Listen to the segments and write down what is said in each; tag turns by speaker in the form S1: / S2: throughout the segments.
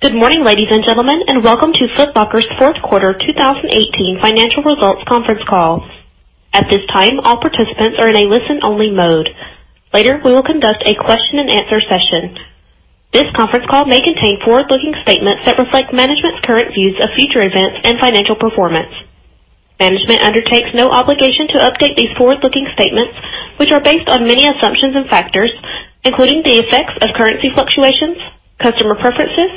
S1: Good morning, ladies and gentlemen, and welcome to Foot Locker's fourth quarter 2018 financial results conference call. At this time, all participants are in a listen-only mode. Later, we will conduct a question and answer session. This conference call may contain forward-looking statements that reflect management's current views of future events and financial performance. Management undertakes no obligation to update these forward-looking statements, which are based on many assumptions and factors, including the effects of currency fluctuations, customer preferences,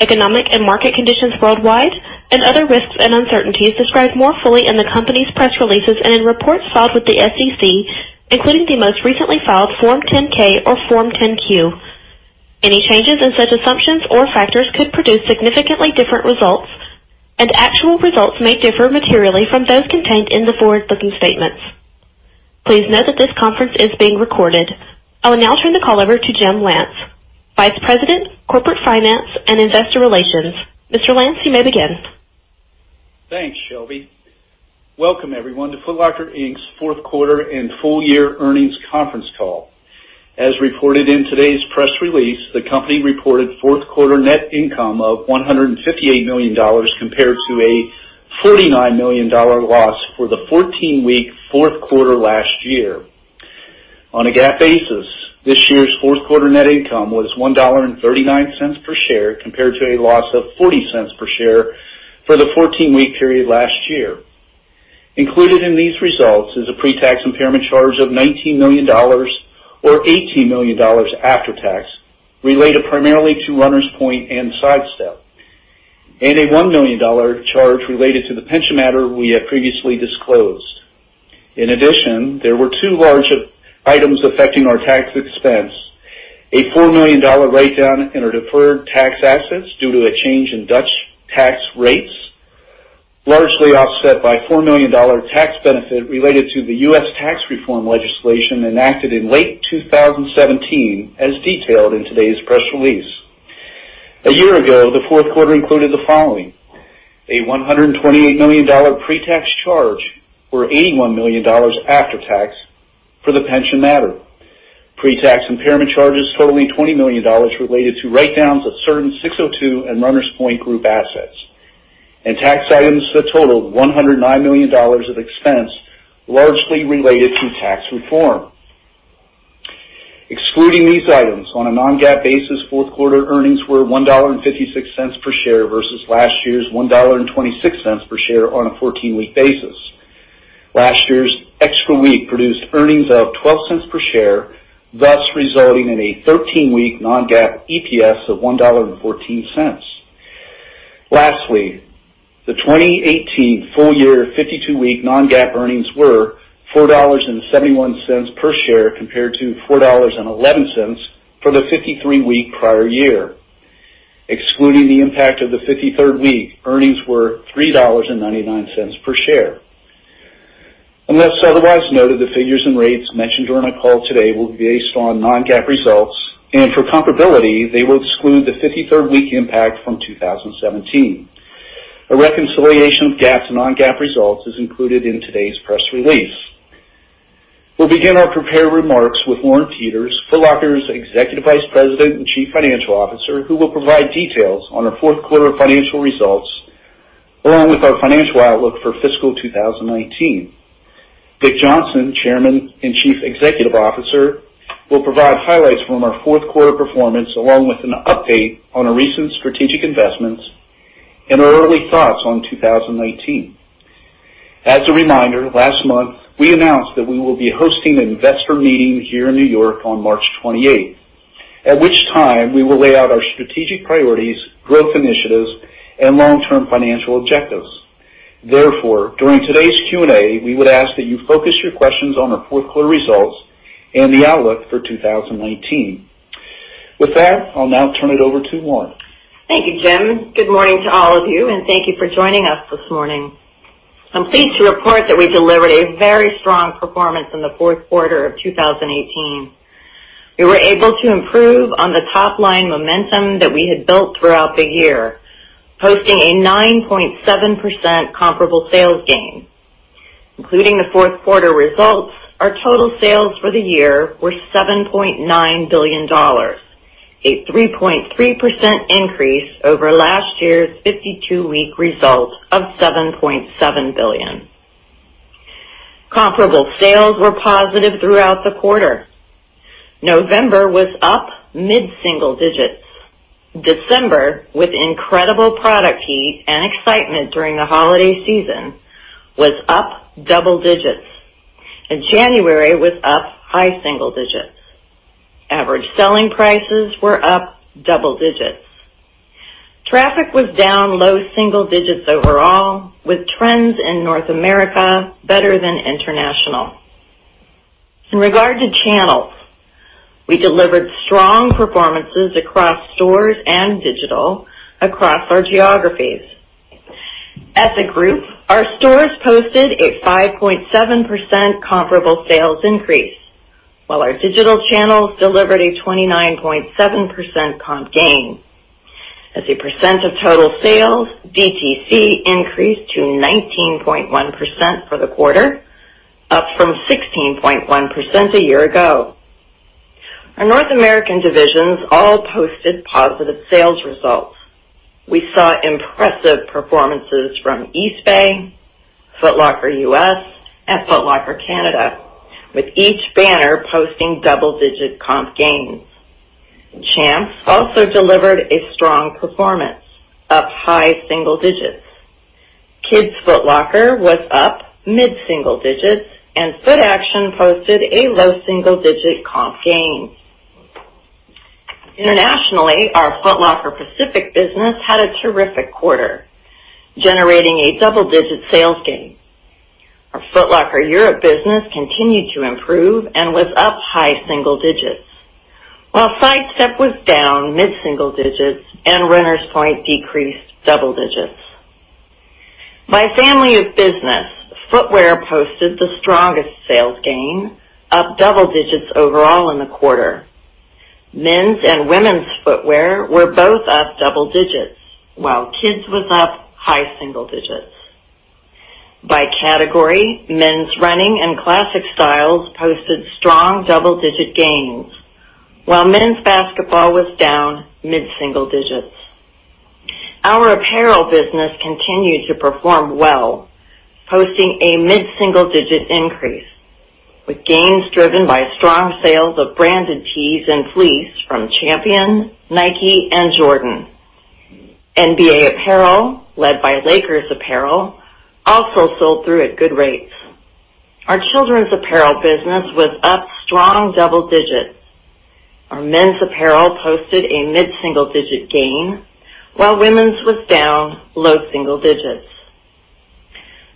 S1: economic and market conditions worldwide, and other risks and uncertainties described more fully in the company's press releases and in reports filed with the SEC, including the most recently filed Form 10-K or Form 10-Q. Any changes in such assumptions or factors could produce significantly different results, and actual results may differ materially from those contained in the forward-looking statements. Please note that this conference is being recorded. I will now turn the call over to James R. Lance, Vice President, Corporate Finance and Investor Relations. Mr. Lance, you may begin.
S2: Thanks, Shelby. Welcome everyone to Foot Locker, Inc.'s fourth quarter and full year earnings conference call. As reported in today's press release, the company reported fourth quarter net income of $158 million compared to a $49 million loss for the 14-week fourth quarter last year. On a GAAP basis, this year's fourth quarter net income was $1.39 per share, compared to a loss of $0.40 per share for the 14-week period last year. Included in these results is a pre-tax impairment charge of $19 million, or $18 million after tax, related primarily to Runners Point and Sidestep, and a $1 million charge related to the pension matter we had previously disclosed. In addition, there were two large items affecting our tax expense. A $4 million write-down in our deferred tax assets due to a change in Dutch tax rates, largely offset by a $4 million tax benefit related to the U.S. tax reform legislation enacted in late 2017, as detailed in today's press release. A year ago, the fourth quarter included the following: a $128 million pre-tax charge, or $81 million after tax for the pension matter. Pre-tax impairment charges totaling $20 million related to write-downs of certain SIX:02 and Runners Point Group assets, and tax items that totaled $109 million of expense, largely related to tax reform. Excluding these items, on a non-GAAP basis, fourth quarter earnings were $1.56 per share versus last year's $1.26 per share on a 14-week basis. Last year's extra week produced earnings of $0.12 per share, thus resulting in a 13-week non-GAAP EPS of $1.14. The 2018 full-year 52-week non-GAAP earnings were $4.71 per share compared to $4.11 for the 53-week prior year. Excluding the impact of the 53rd week, earnings were $3.99 per share. Unless otherwise noted, the figures and rates mentioned during the call today will be based on non-GAAP results, and for comparability, they will exclude the 53rd week impact from 2017. A reconciliation of GAAP to non-GAAP results is included in today's press release. We'll begin our prepared remarks with Lauren Peters, Foot Locker's Executive Vice President and Chief Financial Officer, who will provide details on our fourth quarter financial results, along with our financial outlook for fiscal 2019. Richard Johnson, Chairman and Chief Executive Officer, will provide highlights from our fourth quarter performance, along with an update on our recent strategic investments and our early thoughts on 2019. As a reminder, last month, we announced that we will be hosting an investor meeting here in New York on March 28th. At which time we will lay out our strategic priorities, growth initiatives, and long-term financial objectives. During today's Q&A, we would ask that you focus your questions on our fourth quarter results and the outlook for 2019. With that, I'll now turn it over to Lauren.
S3: Thank you, Jim. Good morning to all of you, and thank you for joining us this morning. I'm pleased to report that we delivered a very strong performance in the fourth quarter of 2018. We were able to improve on the top-line momentum that we had built throughout the year, posting a 9.7% comparable sales gain. Including the fourth quarter results, our total sales for the year were $7.9 billion, a 3.3% increase over last year's 52-week result of $7.7 billion. Comparable sales were positive throughout the quarter. November was up mid-single digits. December, with incredible product heat and excitement during the holiday season, was up double digits, and January was up high single digits. Average selling prices were up double digits. Traffic was down low single digits overall, with trends in North America better than international. In regard to channels, we delivered strong performances across stores and digital across our geographies. At the group, our stores posted a 5.7% comparable sales increase, while our digital channels delivered a 29.7% comp gain. As a percent of total sales, DTC increased to 19.1% for the quarter from 16.1% a year ago. Our North American divisions all posted positive sales results. We saw impressive performances from Eastbay, Foot Locker US, and Foot Locker Canada, with each banner posting double-digit comp gains. Champs also delivered a strong performance, up high single digits. Kids Foot Locker was up mid-single digits, and Footaction posted a low single-digit comp gain. Internationally, our Foot Locker Pacific business had a terrific quarter, generating a double-digit sales gain. Our Foot Locker Europe business continued to improve and was up high single digits. Sidestep was down mid-single digits and Runners Point decreased double digits. By family of business, footwear posted the strongest sales gain, up double digits overall in the quarter. Men's and women's footwear were both up double digits, while kids' was up high single digits. By category, men's running and classic styles posted strong double-digit gains, while men's basketball was down mid-single digits. Our apparel business continued to perform well, posting a mid-single-digit increase, with gains driven by strong sales of branded tees and fleece from Champion, Nike, and Jordan. NBA apparel, led by Lakers apparel, also sold through at good rates. Our children's apparel business was up strong double digits. Our men's apparel posted a mid-single-digit gain, while women's was down low single digits.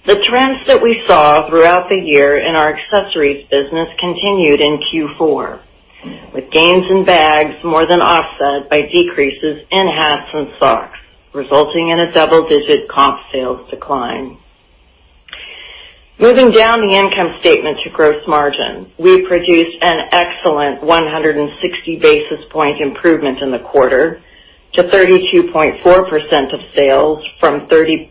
S3: The trends that we saw throughout the year in our accessories business continued in Q4, with gains in bags more than offset by decreases in hats and socks, resulting in a double-digit comp sales decline. Moving down the income statement to gross margin, we produced an excellent 160-basis-point improvement in the quarter to 32.4% of sales from 30.8% a year ago.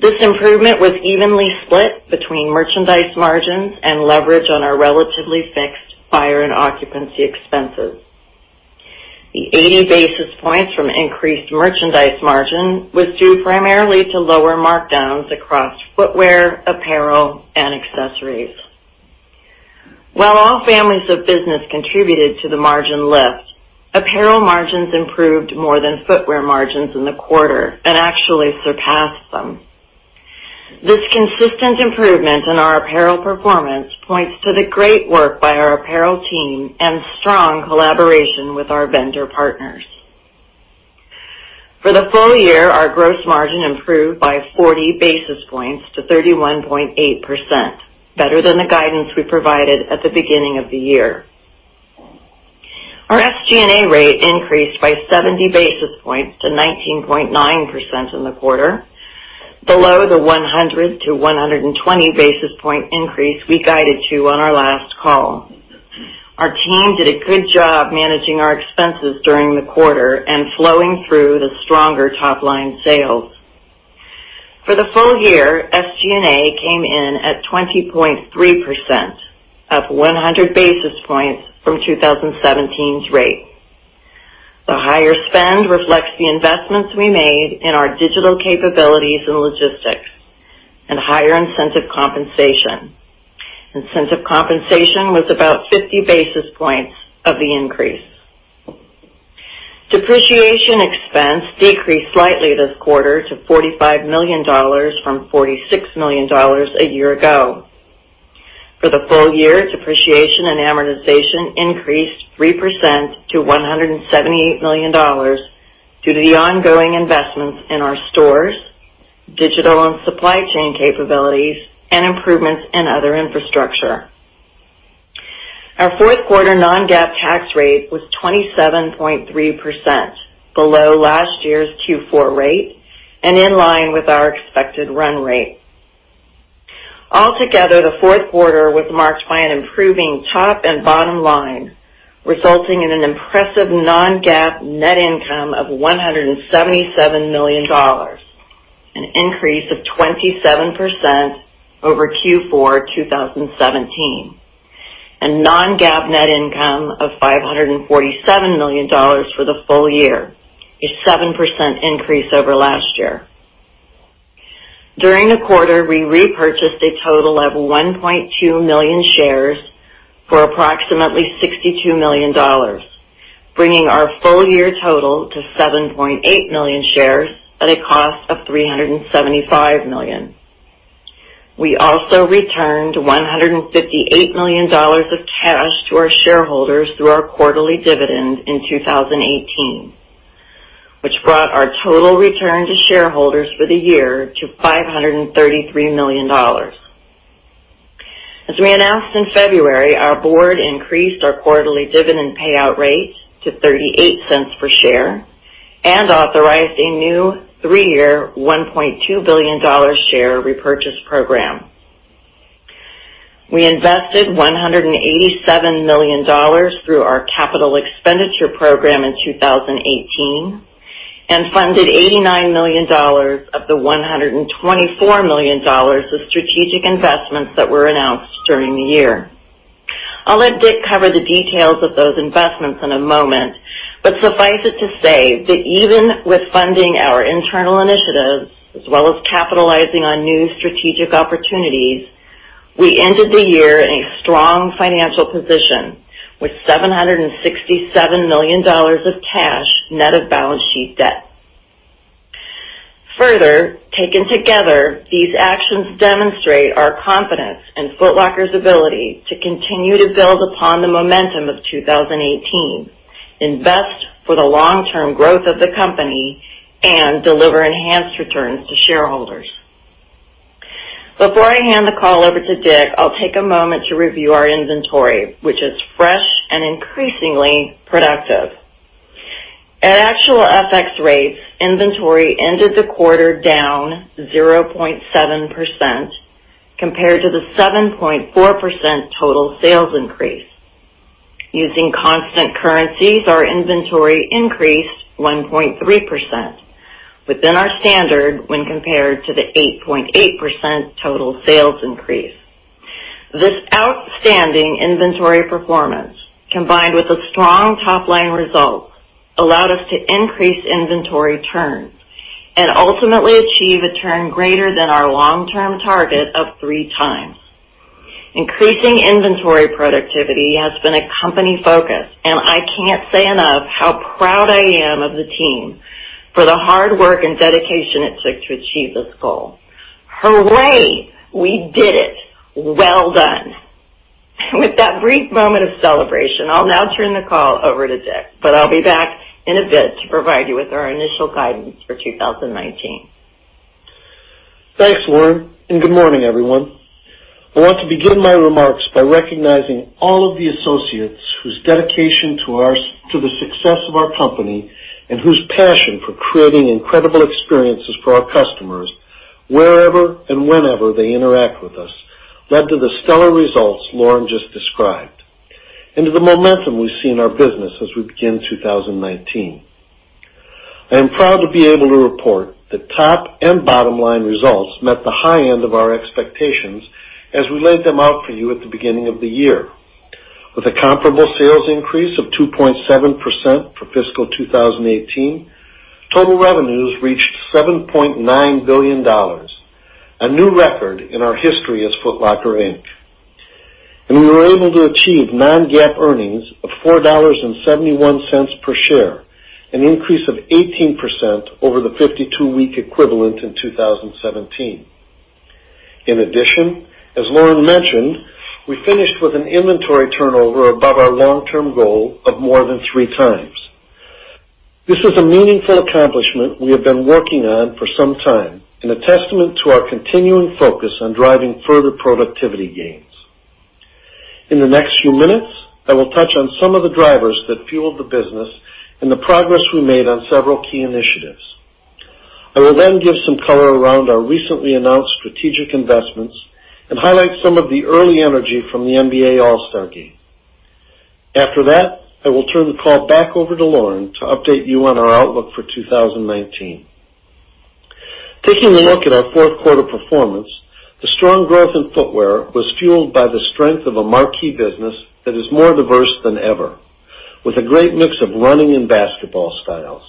S3: This improvement was evenly split between merchandise margins and leverage on our relatively fixed buying and occupancy expenses. The 80 basis points from increased merchandise margin was due primarily to lower markdowns across footwear, apparel, and accessories. While all families of business contributed to the margin lift, apparel margins improved more than footwear margins in the quarter and actually surpassed them. This consistent improvement in our apparel performance points to the great work by our apparel team and strong collaboration with our vendor partners. For the full year, our gross margin improved by 40 basis points to 31.8%, better than the guidance we provided at the beginning of the year. Our SG&A rate increased by 70 basis points to 19.9% in the quarter, below the 100-120 basis point increase we guided to on our last call. Our team did a good job managing our expenses during the quarter and flowing through the stronger top-line sales. For the full year, SG&A came in at 20.3%, up 100 basis points from 2017's rate. The higher spend reflects the investments we made in our digital capabilities and logistics and higher incentive compensation. Incentive compensation was about 50 basis points of the increase. Depreciation expense decreased slightly this quarter to $45 million from $46 million a year ago. For the full year, depreciation and amortization increased 3% to $178 million due to the ongoing investments in our stores, digital and supply chain capabilities, and improvements in other infrastructure. Our fourth quarter non-GAAP tax rate was 27.3%, below last year's Q4 rate and in line with our expected run rate. Altogether, the fourth quarter was marked by an improving top and bottom line, resulting in an impressive non-GAAP net income of $177 million, an increase of 27% over Q4 2017, and non-GAAP net income of $547 million for the full year, a 7% increase over last year. During the quarter, we repurchased a total of 1.2 million shares for approximately $62 million, bringing our full-year total to 7.8 million shares at a cost of $375 million. We also returned $158 million of cash to our shareholders through our quarterly dividend in 2018, which brought our total return to shareholders for the year to $533 million. As we announced in February, our board increased our quarterly dividend payout rate to $0.38 per share and authorized a new three-year, $1.2 billion share repurchase program. We invested $187 million through our CapEx program in 2018 and funded $89 million of the $124 million of strategic investments that were announced during the year. I'll let Dick cover the details of those investments in a moment, but suffice it to say that even with funding our internal initiatives, as well as capitalizing on new strategic opportunities, we ended the year in a strong financial position with $767 million of cash, net of balance sheet debt. Further, taken together, these actions demonstrate our confidence in Foot Locker's ability to continue to build upon the momentum of 2018, invest for the long-term growth of the company, and deliver enhanced returns to shareholders. Before I hand the call over to Dick, I'll take a moment to review our inventory, which is fresh and increasingly productive. At actual FX rates, inventory ended the quarter down 0.7% compared to the 7.4% total sales increase. Using constant currencies, our inventory increased 1.3%, within our standard when compared to the 8.8% total sales increase. This outstanding inventory performance, combined with the strong top-line results, allowed us to increase inventory turns and ultimately achieve a turn greater than our long-term target of three times. Increasing inventory productivity has been a company focus, and I can't say enough how proud I am of the team for the hard work and dedication it took to achieve this goal. Hooray, we did it. Well done. With that brief moment of celebration, I'll now turn the call over to Dick. I'll be back in a bit to provide you with our initial guidance for 2019.
S4: Thanks, Lauren. Good morning, everyone. I want to begin my remarks by recognizing all of the associates whose dedication to the success of our company and whose passion for creating incredible experiences for our customers, wherever and whenever they interact with us, led to the stellar results Lauren just described and to the momentum we see in our business as we begin 2019. I am proud to be able to report that top and bottom line results met the high end of our expectations as we laid them out for you at the beginning of the year. With a comparable sales increase of 2.7% for fiscal 2018, total revenues reached $7.9 billion, a new record in our history as Foot Locker, Inc. We were able to achieve non-GAAP earnings of $4.71 per share, an increase of 18% over the 52-week equivalent in 2017. In addition, as Lauren mentioned, we finished with an inventory turnover above our long-term goal of more than three times. This is a meaningful accomplishment we have been working on for some time and a testament to our continuing focus on driving further productivity gains. In the next few minutes, I will touch on some of the drivers that fueled the business and the progress we made on several key initiatives. I will then give some color around our recently announced strategic investments and highlight some of the early energy from the NBA All-Star Game. After that, I will turn the call back over to Lauren to update you on our outlook for 2019. Taking a look at our fourth quarter performance, the strong growth in footwear was fueled by the strength of a marquee business that is more diverse than ever, with a great mix of running and basketball styles.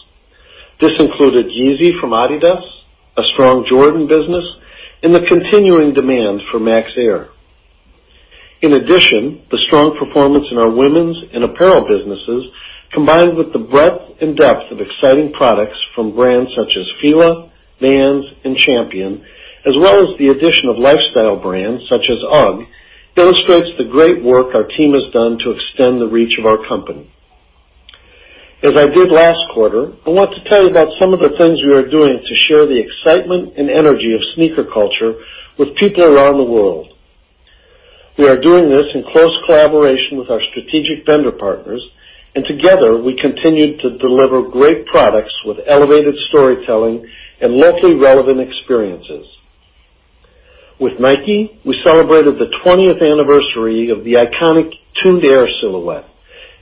S4: This included Yeezy from Adidas, a strong Jordan business, and the continuing demand for Max Air. In addition, the strong performance in our women's and apparel businesses, combined with the breadth and depth of exciting products from brands such as Fila, Vans, and Champion, as well as the addition of lifestyle brands such as UGG, illustrates the great work our team has done to extend the reach of our company. As I did last quarter, I want to tell you about some of the things we are doing to share the excitement and energy of sneaker culture with people around the world. We are doing this in close collaboration with our strategic vendor partners, together, we continued to deliver great products with elevated storytelling and locally relevant experiences. With Nike, we celebrated the 20th anniversary of the iconic Tuned Air silhouette,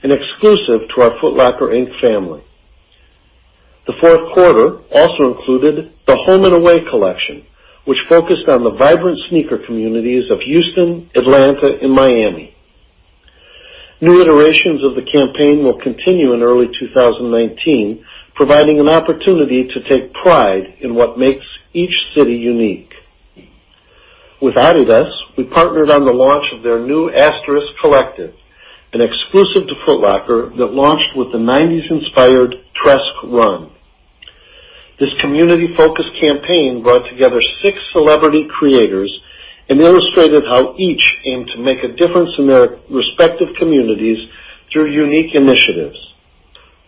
S4: an exclusive to our Foot Locker, Inc. family. The fourth quarter also included the Home & Away collection, which focused on the vibrant sneaker communities of Houston, Atlanta, and Miami. New iterations of the campaign will continue in early 2019, providing an opportunity to take pride in what makes each city unique. With Adidas, we partnered on the launch of their new Asterisk Collective, an exclusive to Foot Locker that launched with the '90s-inspired TRESC Run. This community-focused campaign brought together six celebrity creators and illustrated how each aim to make a difference in their respective communities through unique initiatives.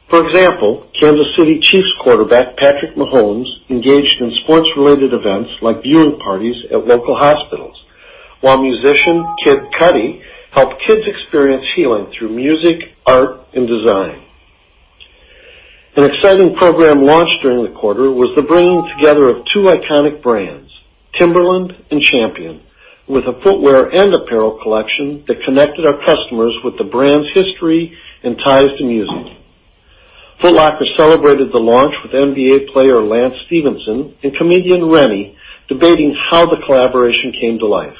S4: For example, Kansas City Chiefs quarterback Patrick Mahomes engaged in sports-related events like viewing parties at local hospitals, while musician Kid Cudi helped kids experience healing through music, art, and design. An exciting program launched during the quarter was the bringing together of two iconic brands, Timberland and Champion, with a footwear and apparel collection that connected our customers with the brand's history and ties to music. Foot Locker celebrated the launch with NBA player Lance Stephenson and comedian Renny debating how the collaboration came to life.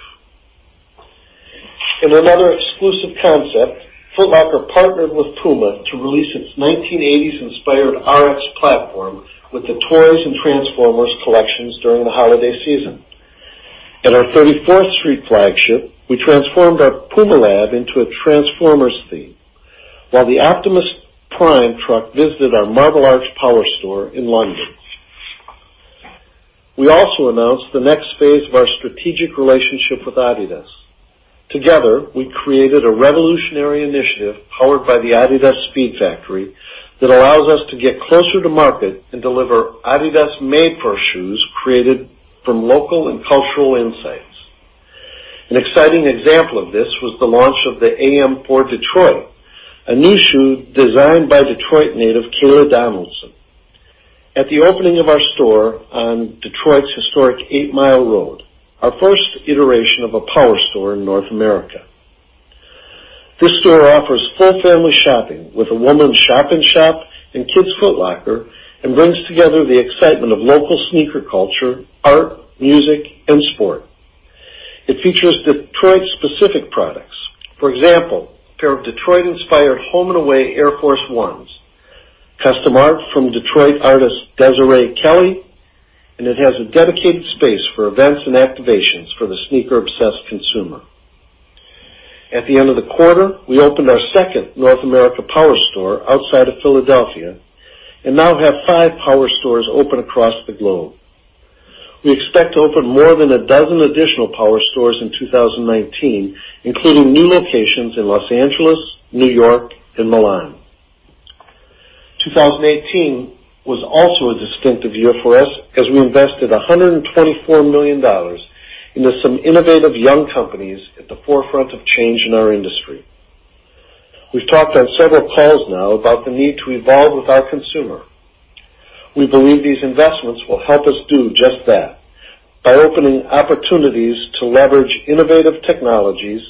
S4: In another exclusive concept, Foot Locker partnered with Puma to release its 1980s-inspired RS platform with the Toys and Transformers collections during the holiday season. At our 34th Street flagship, we transformed our Puma lab into a Transformers theme, while the Optimus Prime truck visited our Marble Arch power store in London. We also announced the next phase of our strategic relationship with Adidas. Together, we created a revolutionary initiative powered by the Adidas Speedfactory that allows us to get closer to market and deliver Adidas made for shoes created from local and cultural insights. An exciting example of this was the launch of the AM4 Detroit, a new shoe designed by Detroit native Kayla Donaldson. At the opening of our store on Detroit's historic 8 Mile Road, our first iteration of a power store in North America. This store offers full family shopping with a women's shop-in-shop and Kids' Foot Locker, and brings together the excitement of local sneaker culture, art, music, and sport. It features Detroit specific products. For example, a pair of Detroit-inspired Home & Away Air Force 1s, custom art from Detroit artist Desiree Kelly, and it has a dedicated space for events and activations for the sneaker obsessed consumer. At the end of the quarter, we opened our second North America power store outside of Philadelphia and now have five power stores open across the globe. We expect to open more than a dozen additional power stores in 2019, including new locations in Los Angeles, New York, and Milan. 2018 was also a distinctive year for us as we invested $124 million into some innovative young companies at the forefront of change in our industry. We've talked on several calls now about the need to evolve with our consumer. We believe these investments will help us do just that by opening opportunities to leverage innovative technologies,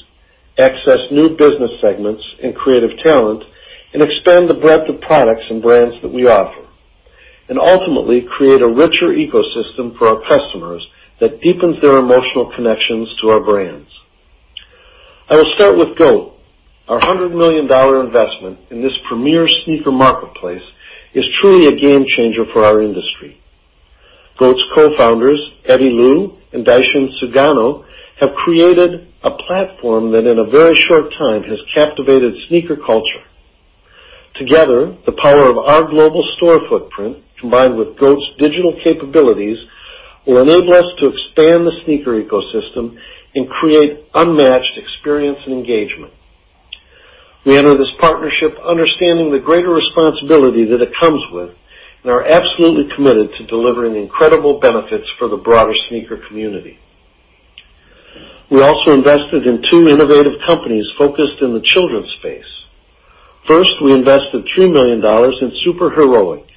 S4: access new business segments and creative talent, and expand the breadth of products and brands that we offer. Ultimately create a richer ecosystem for our customers that deepens their emotional connections to our brands. I will start with GOAT. Our $100 million investment in this premier sneaker marketplace is truly a game changer for our industry. GOAT's co-founders, Eddy Lu and Daishin Sugano, have created a platform that in a very short time has captivated sneaker culture. Together, the power of our global store footprint, combined with GOAT's digital capabilities, will enable us to expand the sneaker ecosystem and create unmatched experience and engagement. We enter this partnership understanding the greater responsibility that it comes with and are absolutely committed to delivering incredible benefits for the broader sneaker community. First, we invested $3 million in Superheroic,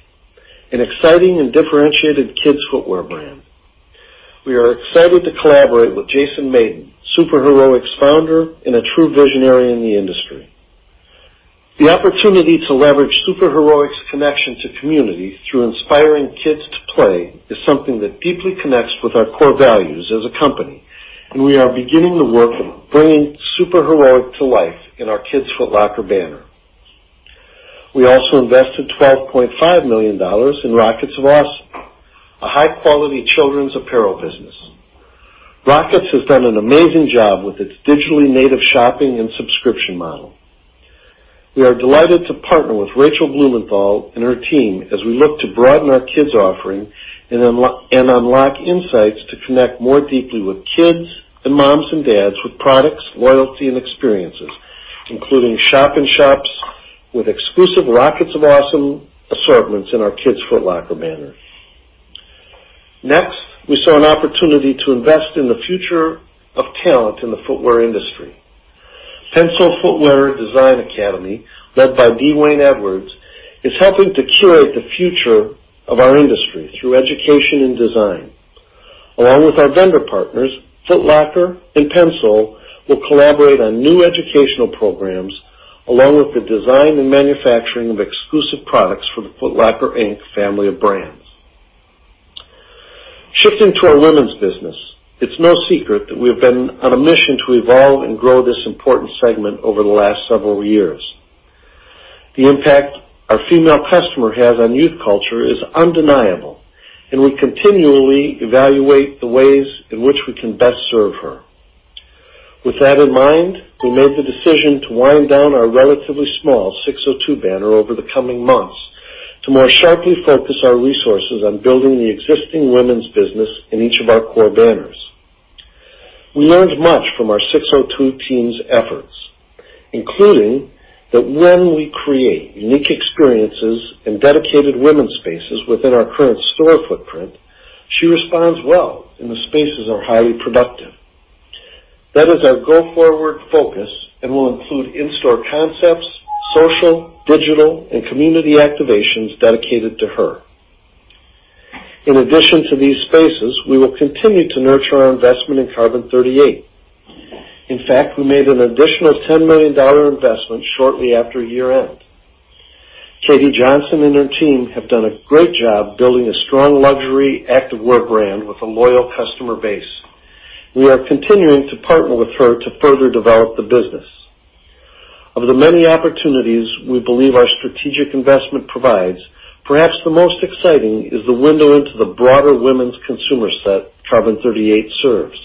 S4: an exciting and differentiated kids' footwear brand. We are excited to collaborate with Jason Mayden, Superheroic's founder and a true visionary in the industry. The opportunity to leverage Superheroic's connection to community through inspiring kids to play is something that deeply connects with our core values as a company, and we are beginning the work of bringing Superheroic to life in our Kids' Foot Locker banner. We also invested $12.5 million in Rockets of Awesome, a high-quality children's apparel business. Rockets has done an amazing job with its digitally native shopping and subscription model. We are delighted to partner with Rachel Blumenthal and her team as we look to broaden our kids offering and unlock insights to connect more deeply with kids and moms and dads with products, loyalty, and experiences, including shop in shops with exclusive Rockets of Awesome assortments in our Kids Foot Locker banner. Next, we saw an opportunity to invest in the future of talent in the footwear industry. Pensole Footwear Design Academy, led by D. Wayne Edwards, is helping to curate the future of our industry through education and design. Along with our vendor partners, Foot Locker and Pensole will collaborate on new educational programs along with the design and manufacturing of exclusive products for the Foot Locker, Inc. family of brands. Shifting to our women's business, it's no secret that we have been on a mission to evolve and grow this important segment over the last several years. The impact our female customer has on youth culture is undeniable, we continually evaluate the ways in which we can best serve her. With that in mind, we made the decision to wind down our relatively small SIX:02 banner over the coming months to more sharply focus our resources on building the existing women's business in each of our core banners. We learned much from our SIX:02 team's efforts. Including that when we create unique experiences and dedicated women's spaces within our current store footprint, she responds well and the spaces are highly productive. That is our go-forward focus and will include in-store concepts, social, digital, and community activations dedicated to her. In addition to these spaces, we will continue to nurture our investment in Carbon38. In fact, we made an additional $10 million investment shortly after year-end. Katie Johnson and her team have done a great job building a strong luxury activewear brand with a loyal customer base. We are continuing to partner with her to further develop the business. Of the many opportunities we believe our strategic investment provides, perhaps the most exciting is the window into the broader women's consumer set Carbon38 serves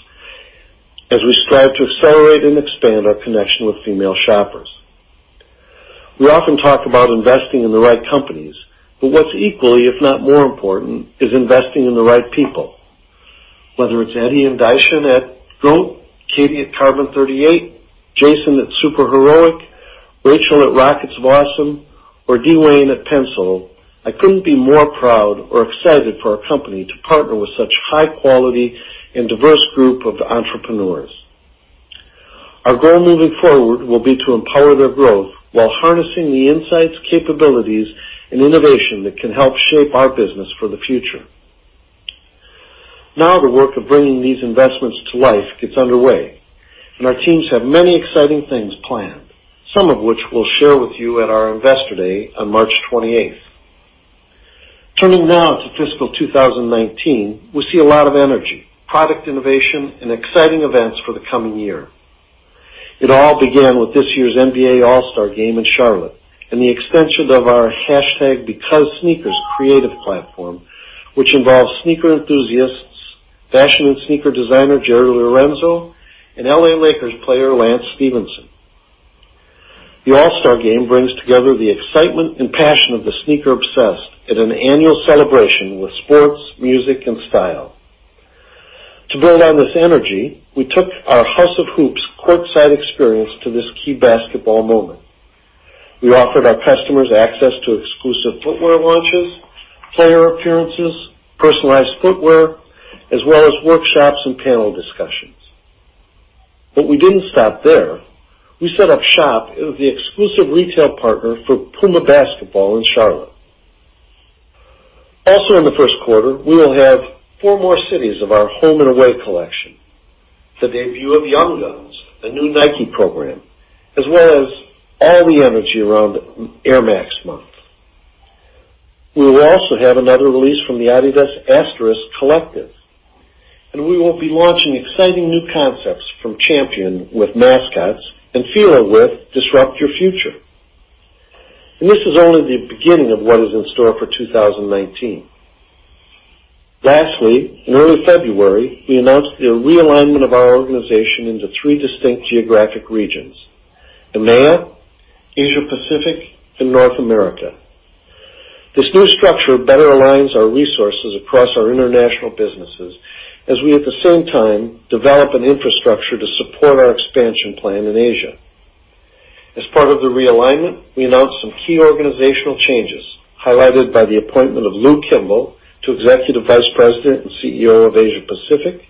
S4: as we strive to accelerate and expand our connection with female shoppers. We often talk about investing in the right companies, what's equally, if not more important, is investing in the right people. Whether it's Eddy and Daishin at GOAT, Katie at Carbon38, Jason at Superheroic, Rachel at Rockets of Awesome, or D'Wayne at Pensole, I couldn't be more proud or excited for our company to partner with such high quality and diverse group of entrepreneurs. Our goal moving forward will be to empower their growth while harnessing the insights, capabilities, and innovation that can help shape our business for the future. Now the work of bringing these investments to life gets underway, our teams have many exciting things planned, some of which we'll share with you at our Investor Day on March 28th. Turning now to fiscal 2019, we see a lot of energy, product innovation, and exciting events for the coming year. It all began with this year's NBA All-Star Game in Charlotte and the extension of our #BecauseSneakers creative platform, which involves sneaker enthusiasts, fashion and sneaker designer Jerry Lorenzo, and L.A. Lakers player Lance Stephenson. The All-Star Game brings together the excitement and passion of the sneaker obsessed at an annual celebration with sports, music, and style. To build on this energy, we took our House of Hoops courtside experience to this key basketball moment. We offered our customers access to exclusive footwear launches, player appearances, personalized footwear, as well as workshops and panel discussions. We didn't stop there. We set up shop as the exclusive retail partner for Puma Basketball in Charlotte. In the first quarter, we will have four more cities of our Home & Away collection, the debut of Young Guns, the new Nike program, as well as all the energy around Air Max Month. We will also have another release from the adidas Asterisk Collective, and we will be launching exciting new concepts from Champion with Mascots and Fila with Disrupt Your Future. This is only the beginning of what is in store for 2019. In early February, we announced the realignment of our organization into three distinct geographic regions, EMEA, Asia Pacific, and North America. This new structure better aligns our resources across our international businesses as we at the same time develop an infrastructure to support our expansion plan in Asia. As part of the realignment, we announced some key organizational changes highlighted by the appointment of Lou Kimble to Executive Vice President and CEO of Asia Pacific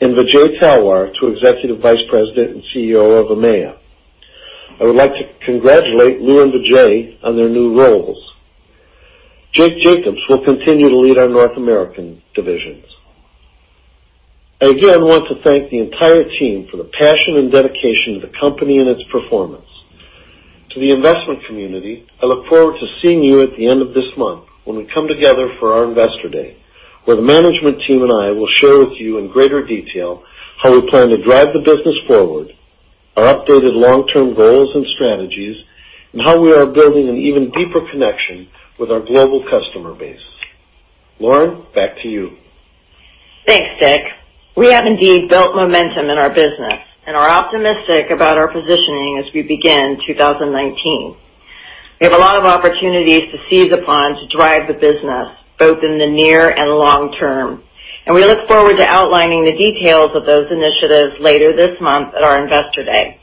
S4: and Vijay Talwar to Executive Vice President and CEO of EMEA. I would like to congratulate Lou and Vijay on their new roles. Jake Jacobs will continue to lead our North American divisions. I again want to thank the entire team for the passion and dedication to the company and its performance. To the investment community, I look forward to seeing you at the end of this month when we come together for our Investor Day, where the management team and I will share with you in greater detail how we plan to drive the business forward, our updated long-term goals and strategies, and how we are building an even deeper connection with our global customer base. Lauren, back to you.
S3: Thanks, Dick. We have indeed built momentum in our business and are optimistic about our positioning as we begin 2019. We have a lot of opportunities to seize upon to drive the business both in the near and long term, we look forward to outlining the details of those initiatives later this month at our Investor Day.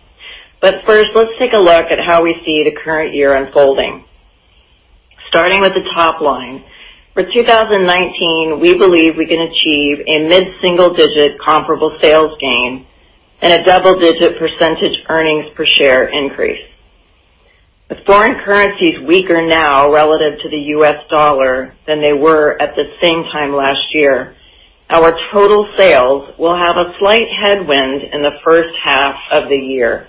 S3: First, let's take a look at how we see the current year unfolding. Starting with the top line. For 2019, we believe we can achieve a mid-single-digit comparable sales gain and a double-digit percentage earnings per share increase. With foreign currencies weaker now relative to the U.S. dollar than they were at the same time last year, our total sales will have a slight headwind in the first half of the year.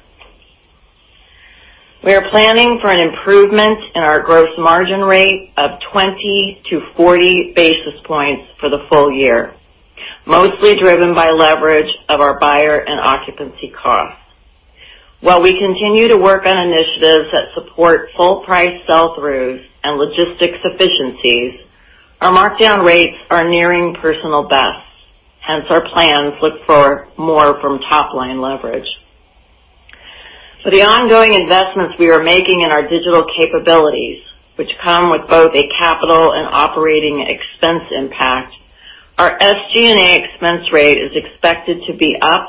S3: We are planning for an improvement in our gross margin rate of 20 to 40 basis points for the full year, mostly driven by leverage of our buyer and occupancy costs. While we continue to work on initiatives that support full price sell-throughs and logistics efficiencies, our markdown rates are nearing personal bests, hence our plans look for more from top-line leverage. For the ongoing investments we are making in our digital capabilities, which come with both a capital and operating expense impact, our SG&A expense rate is expected to be up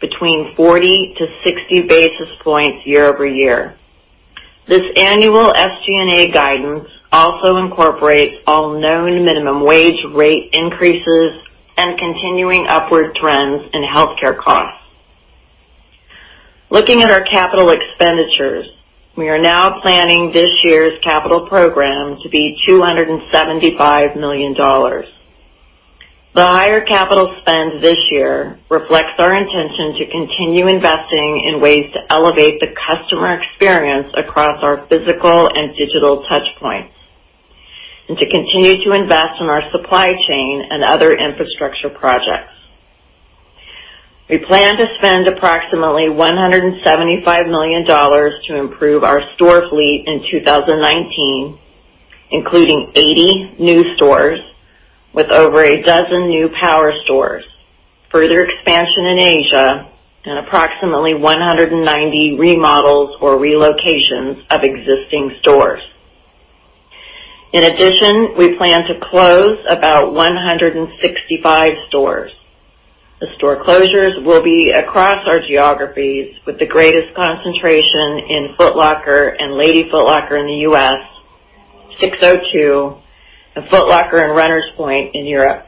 S3: between 40 to 60 basis points year-over-year. This annual SG&A guidance also incorporates all known minimum wage rate increases and continuing upward trends in healthcare costs. Looking at our capital expenditures, we are now planning this year's capital program to be $275 million. The higher capital spend this year reflects our intention to continue investing in ways to elevate the customer experience across our physical and digital touch points and to continue to invest in our supply chain and other infrastructure projects. We plan to spend approximately $175 million to improve our store fleet in 2019, including 80 new stores with over a dozen new power stores, further expansion in Asia, and approximately 190 remodels or relocations of existing stores. In addition, we plan to close about 165 stores. The store closures will be across our geographies with the greatest concentration in Foot Locker and Lady Foot Locker in the U.S., SIX:02, and Foot Locker and Runners Point in Europe.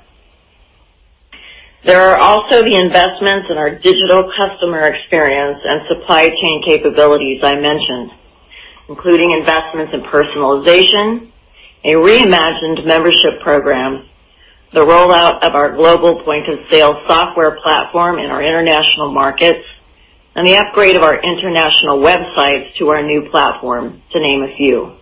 S3: There are also the investments in our digital customer experience and supply chain capabilities I mentioned, including investments in personalization, a reimagined membership program, the rollout of our global point-of-sale software platform in our international markets, and the upgrade of our international websites to our new platform, to name a few.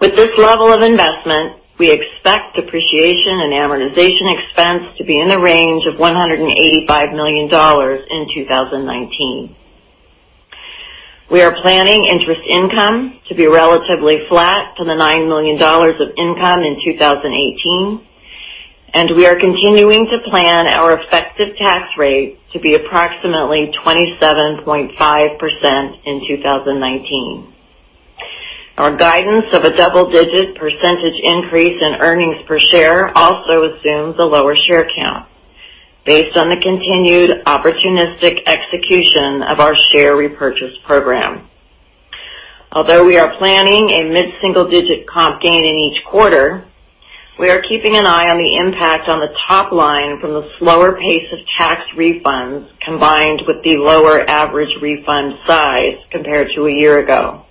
S3: With this level of investment, we expect depreciation and amortization expense to be in the range of $185 million in 2019. We are planning interest income to be relatively flat to the $9 million of income in 2018, and we are continuing to plan our effective tax rate to be approximately 27.5% in 2019. Our guidance of a double-digit percentage increase in earnings per share also assumes a lower share count based on the continued opportunistic execution of our share repurchase program. Although we are planning a mid-single-digit comp gain in each quarter, we are keeping an eye on the impact on the top line from the slower pace of tax refunds combined with the lower average refund size compared to a year ago.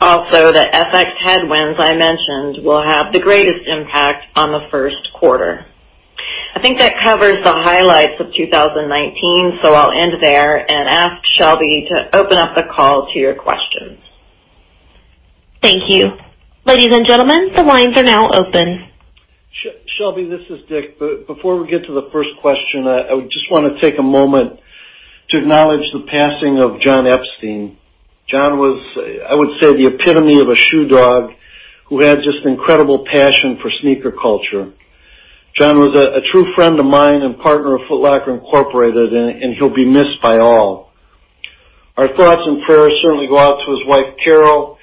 S3: The FX headwinds I mentioned will have the greatest impact on the first quarter. I think that covers the highlights of 2019, so I'll end there and ask Shelby to open up the call to your questions.
S1: Thank you. Ladies and gentlemen, the lines are now open.
S4: Shelby, this is Dick. Before we get to the first question, I just want to take a moment to acknowledge the passing of Jon Epstein. Jon was, I would say, the epitome of a shoe dog who had just incredible passion for sneaker culture. Jon was a true friend of mine and partner of Foot Locker, Inc., and he'll be missed by all. Our thoughts and prayers certainly go out to his wife, Carol,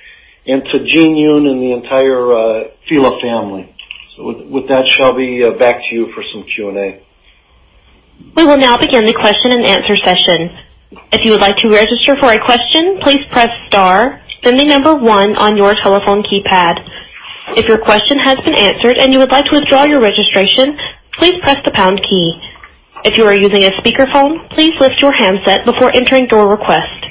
S4: and to Gene Yoon and the entire Fila family. With that, Shelby, back to you for some Q&A.
S1: We will now begin the question and answer session. If you would like to register for a question, please press star, then the number one on your telephone keypad. If your question has been answered and you would like to withdraw your registration, please press the pound key. If you are using a speakerphone, please lift your handset before entering your request.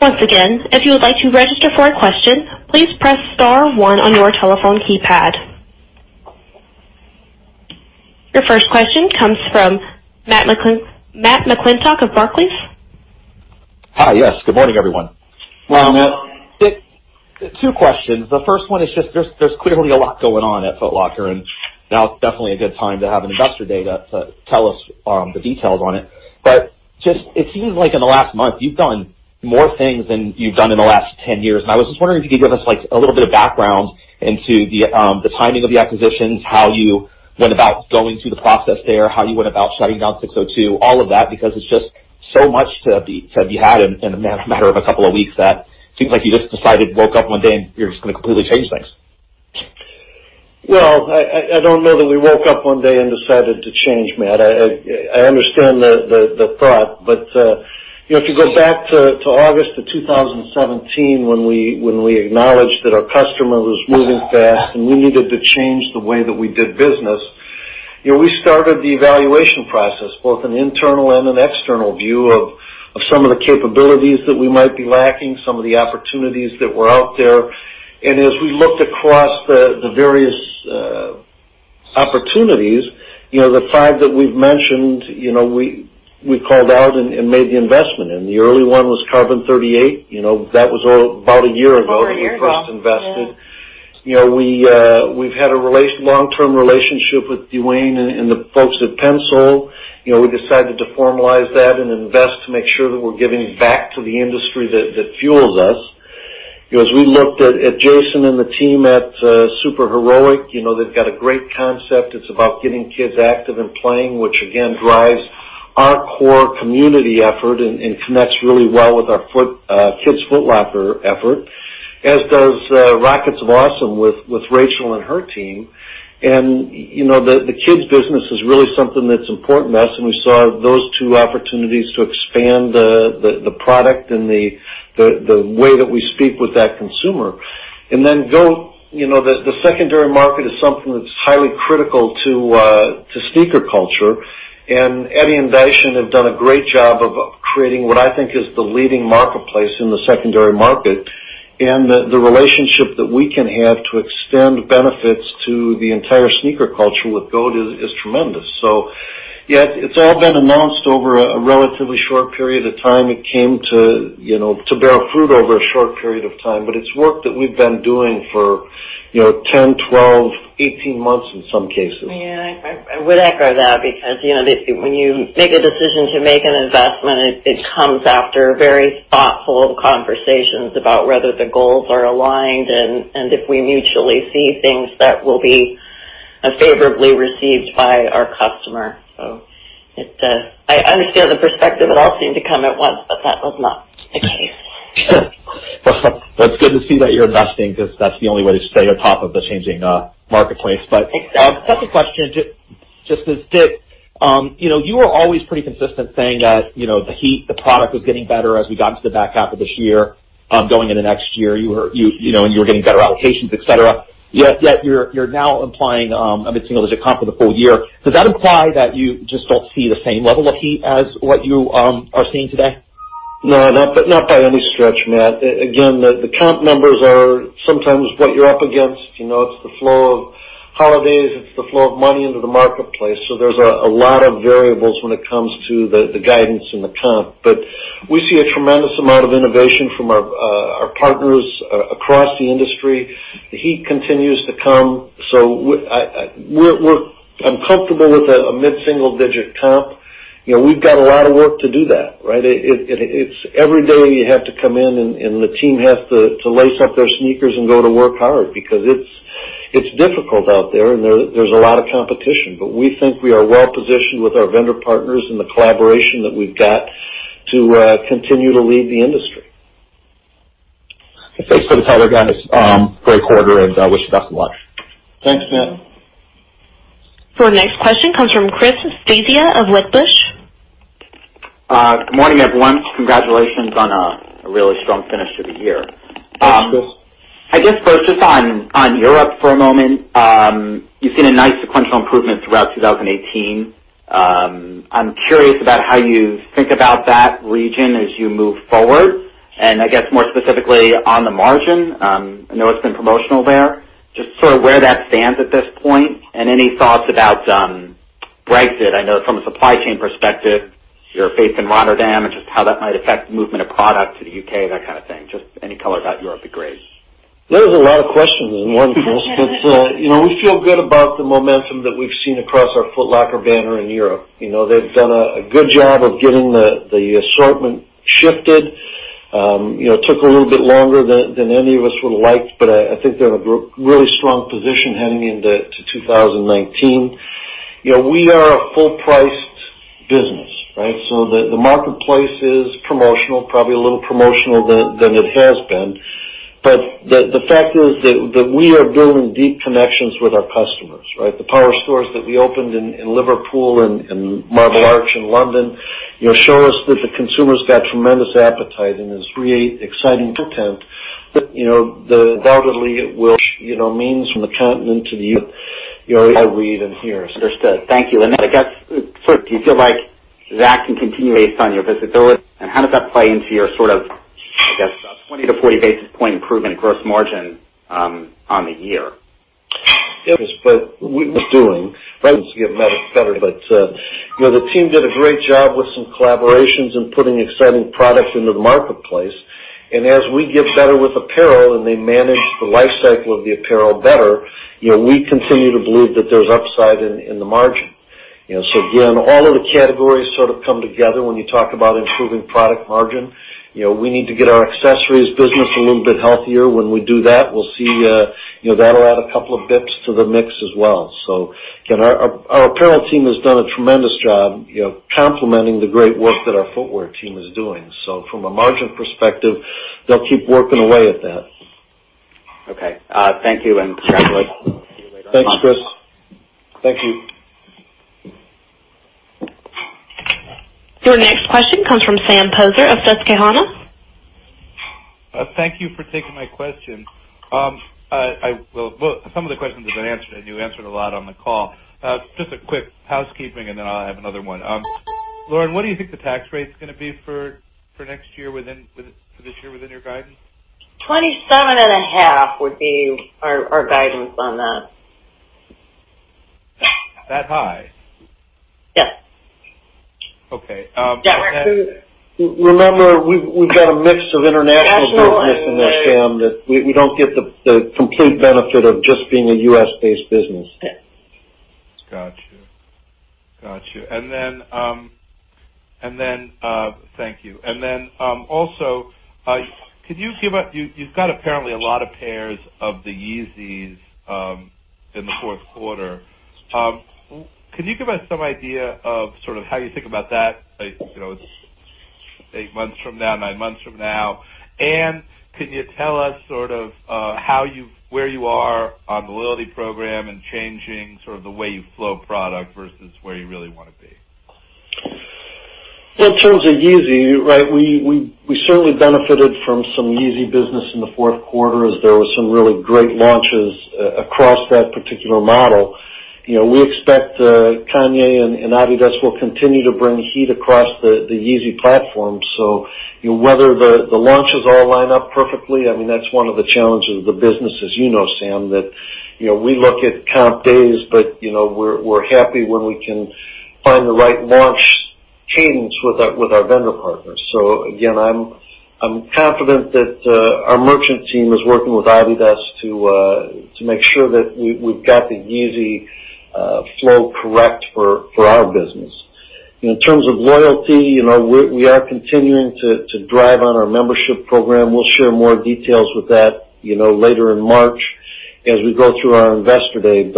S1: Once again, if you would like to register for a question, please press star one on your telephone keypad. Your first question comes from Matthew McClintock of Barclays.
S5: Hi. Yes. Good morning, everyone.
S4: Morning, Matt.
S5: Dick, two questions. The first one is just there's clearly a lot going on at Foot Locker, now it's definitely a good time to have an Investor Day to tell us the details on it. Just, it seems like in the last month, you've done more things than you've done in the last 10 years, and I was just wondering if you could give us a little bit of background into the timing of the acquisitions, how you went about going through the process there, how you went about shutting down SIX:02, all of that, because it's just so much to be had in a matter of a couple of weeks that seems like you just decided, woke up one day, and you're just going to completely change things.
S4: Well, I don't know that we woke up one day and decided to change, Matt. I understand the thought. If you go back to August of 2017 when we acknowledged that our customer was moving fast and we needed to change the way that we did business. We started the evaluation process, both an internal and an external view of some of the capabilities that we might be lacking, some of the opportunities that were out there. As we looked across the various opportunities, the five that we've mentioned, we called out and made the investment in. The early one was Carbon38. That was about a year ago.
S3: Over a year ago.
S4: that we first invested.
S3: Yeah.
S4: We've had a long-term relationship with D'Wayne and the folks at Pensole. We decided to formalize that and invest to make sure that we're giving back to the industry that fuels us. As we looked at Jason and the team at Superheroic, they've got a great concept. It's about getting kids active and playing, which again drives our core community effort and connects really well with our Kids Foot Locker effort. As does Rockets of Awesome with Rachel and her team. The kids business is really something that's important to us, and we saw those two opportunities to expand the product and the way that we speak with that consumer. Then GOAT, the secondary market is something that's highly critical to sneaker culture. Eddy and Daishin have done a great job of creating what I think is the leading marketplace in the secondary market. The relationship that we can have to extend benefits to the entire sneaker culture with GOAT is tremendous. Yeah, it's all been announced over a relatively short period of time. It came to bear fruit over a short period of time, but it's work that we've been doing for 10, 12, 18 months in some cases.
S3: Yeah, I would echo that because when you make a decision to make an investment, it comes after very thoughtful conversations about whether the goals are aligned and if we mutually see things that will be favorably received by our customer. I understand the perspective. It all seemed to come at once, but that was not the case.
S5: Well, it's good to see that you're investing because that's the only way to stay on top of the changing marketplace.
S3: Exactly.
S5: Second question, just as Dick, you were always pretty consistent saying that the heat, the product was getting better as we got into the back half of this year, going into next year. You were getting better allocations, et cetera. Yet you're now implying a mid-single digit comp for the full year. Does that imply that you just don't see the same level of heat as what you are seeing today?
S4: No, not by any stretch, Matt. Again, the comp numbers are sometimes what you're up against. It's the flow of holidays. It's the flow of money into the marketplace. There's a lot of variables when it comes to the guidance and the comp. We see a tremendous amount of innovation from our partners across the industry. The heat continues to come. I'm comfortable with a mid-single digit comp. We've got a lot of work to do that, right? It's every day you have to come in, and the team has to lace up their sneakers and go to work hard because it's difficult out there, and there's a lot of competition. We think we are well positioned with our vendor partners and the collaboration that we've got to continue to lead the industry.
S5: Thanks for the color, guys. Great quarter, wish you the best of luck.
S4: Thanks, Matt.
S1: Your next question comes from Christopher Svezia of Wedbush.
S6: Good morning, everyone. Congratulations on a really strong finish to the year.
S4: Thanks, Chris.
S6: I guess first, just on Europe for a moment. You've seen a nice sequential improvement throughout 2018. I'm curious about how you think about that region as you move forward, and I guess more specifically on the margin. I know it's been promotional there. Just sort of where that stands at this point and any thoughts about Brexit. I know from a supply chain perspective, your faith in Rotterdam and just how that might affect the movement of product to the U.K., that kind of thing. Just any color about Europe would be great.
S4: That was a lot of questions in one, Chris. We feel good about the momentum that we've seen across our Foot Locker banner in Europe. They've done a good job of getting the assortment shifted. It took a little bit longer than any of us would've liked, but I think they're in a really strong position heading into 2019. We are a full-priced business, right? The marketplace is promotional, probably a little promotional than it has been. The fact is that we are building deep connections with our customers, right? The power stores that we opened in Liverpool and Marble Arch in London show us that the consumer's got tremendous appetite and is really exciting content that undoubtedly will mean from the continent to the U.S. You already read and hear.
S6: Understood. Thank you. I guess, first, do you feel like that can continue based on your visibility, and how does that play into your sort of, I guess, 20-40 basis points improvement gross margin on the year?
S4: Yes, we're doing. Trends get better, The team did a great job with some collaborations and putting exciting product into the marketplace. As we get better with apparel and they manage the life cycle of the apparel better, we continue to believe that there's upside in the margin. Again, all of the categories sort of come together when you talk about improving product margin. We need to get our accessories business a little bit healthier. When we do that, we'll see that'll add a couple of basis points to the mix as well. Again, our apparel team has done a tremendous job complementing the great work that our footwear team is doing. From a margin perspective, they'll keep working away at that.
S6: Okay. Thank you, and congratulations. See you later.
S4: Thanks, Chris. Thank you.
S1: Your next question comes from Sam Poser of Susquehanna.
S7: Thank you for taking my question. Some of the questions have been answered, and you answered a lot on the call. Just a quick housekeeping, then I'll have another one. Lauren, what do you think the tax rate's going to be for this year within your guidance?
S3: 27.5 would be our guidance on that.
S7: That high?
S3: Yes.
S7: Okay.
S4: Remember, we've got a mix of international business in there, Sam, that we don't get the complete benefit of just being a U.S.-based business.
S3: Yes.
S7: Got you. Thank you. Also, you've got apparently a lot of pairs of the Yeezys in the fourth quarter. Can you give us some idea of how you think about that? It's eight months from now, nine months from now. Can you tell us where you are on the loyalty program and changing the way you flow product versus where you really want to be?
S4: Well, in terms of Yeezy, we certainly benefited from some Yeezy business in the fourth quarter as there were some really great launches across that particular model. We expect Kanye and Adidas will continue to bring heat across the Yeezy platform. Whether the launches all line up perfectly, that's one of the challenges of the business as you know, Sam. That we look at comp days, but we're happy when we can find the right launch cadence with our vendor partners. Again, I'm confident that our merchant team is working with Adidas to make sure that we've got the Yeezy flow correct for our business. In terms of loyalty, we are continuing to drive on our membership program. We'll share more details with that later in March as we go through our investor day.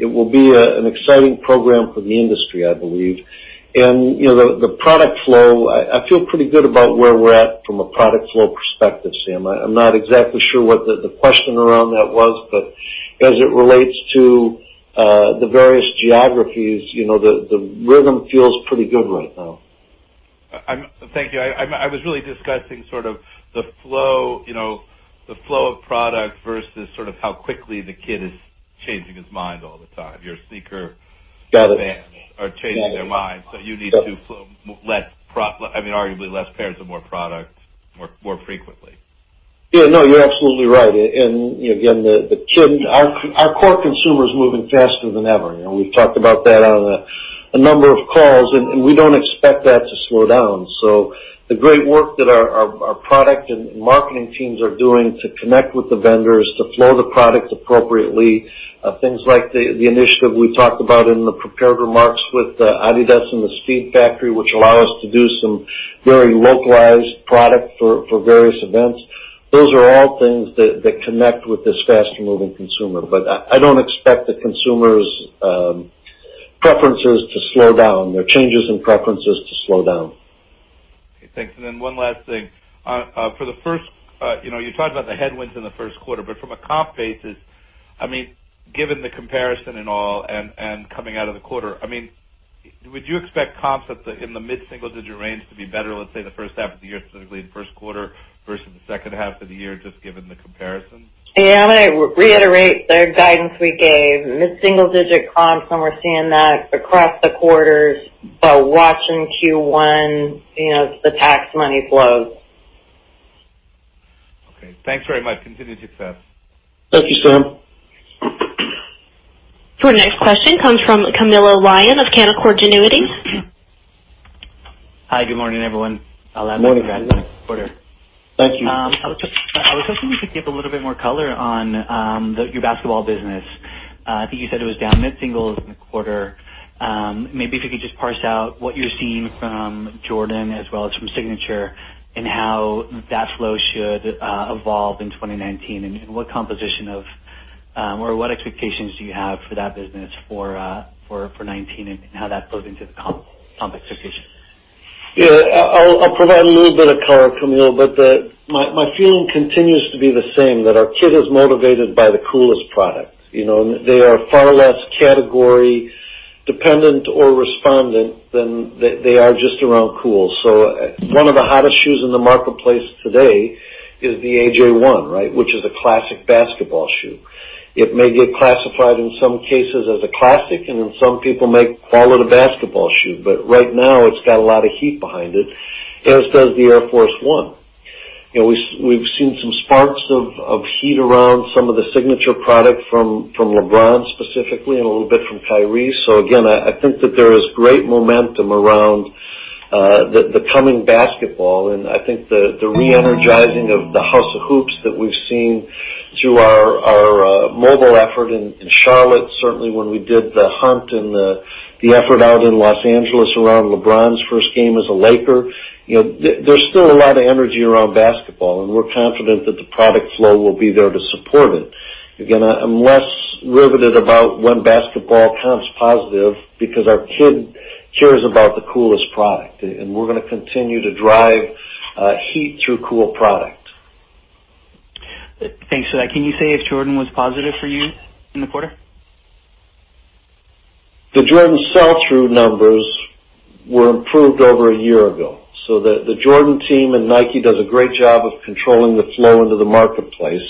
S4: It will be an exciting program for the industry, I believe. The product flow, I feel pretty good about where we're at from a product flow perspective, Sam. I'm not exactly sure what the question around that was, but as it relates to the various geographies, the rhythm feels pretty good right now.
S7: Thank you. I was really discussing sort of the flow of product versus sort of how quickly the kid is changing his mind all the time.
S4: Got it.
S7: fans are changing their minds. You need to flow arguably less pairs or more product more frequently.
S4: Yeah. No, you're absolutely right. Again, our core consumer is moving faster than ever. We've talked about that on a number of calls, and we don't expect that to slow down. The great work that our product and marketing teams are doing to connect with the vendors, to flow the product appropriately, things like the initiative we talked about in the prepared remarks with Adidas and the Speedfactory, which allow us to do some very localized product for various events. Those are all things that connect with this fast-moving consumer. I don't expect the consumers' preferences to slow down. Their changes in preferences to slow down.
S7: Okay, thanks. Then one last thing. You talked about the headwinds in the first quarter, from a comp basis, given the comparison and all, and coming out of the quarter, would you expect comps in the mid-single digit range to be better, let's say, the first half of the year, specifically in the first quarter versus the second half of the year, just given the comparison?
S3: Sam, I reiterate the guidance we gave. Mid-single digit comps, we're seeing that across the quarters. Watch in Q1 as the tax money flows.
S7: Okay. Thanks very much. Continued success.
S4: Thank you, Sam.
S1: Your next question comes from Camilo Lyon of Canaccord Genuity.
S8: Hi, good morning, everyone.
S4: Morning.
S8: I'll ask quarter.
S4: Thank you.
S8: I was hoping you could give a little bit more color on your basketball business. I think you said it was down mid-single in the quarter. Maybe if you could just parse out what you're seeing from Jordan as well as from Signature, and how that flow should evolve in 2019, and what composition of or what expectations do you have for that business for '19, and how that flows into the comp expectation.
S4: Yeah. I'll provide a little bit of color, Camilo, but my feeling continues to be the same, that our kid is motivated by the coolest product. They are far less category dependent or respondent than they are just around cool. One of the hottest shoes in the marketplace today is the AJ1, which is a classic basketball shoe. It may get classified in some cases as a classic, and then some people may call it a basketball shoe. Right now, it's got a lot of heat behind it, as does the Air Force 1. We've seen some sparks of heat around some of the Signature product from LeBron specifically, and a little bit from Kyrie. Again, I think that there is great momentum around the coming basketball, and I think the re-energizing of the House of Hoops that we've seen through our mobile effort in Charlotte, certainly when we did the hunt and the effort out in Los Angeles around LeBron's first game as a Laker. There's still a lot of energy around basketball, and we're confident that the product flow will be there to support it. Again, I'm less riveted about when basketball comps positive because our kid cares about the coolest product, and we're going to continue to drive heat through cool product.
S8: Thanks for that. Can you say if Jordan was positive for you in the quarter?
S4: The Jordan sell-through numbers were improved over a year ago. The Jordan team and Nike does a great job of controlling the flow into the marketplace,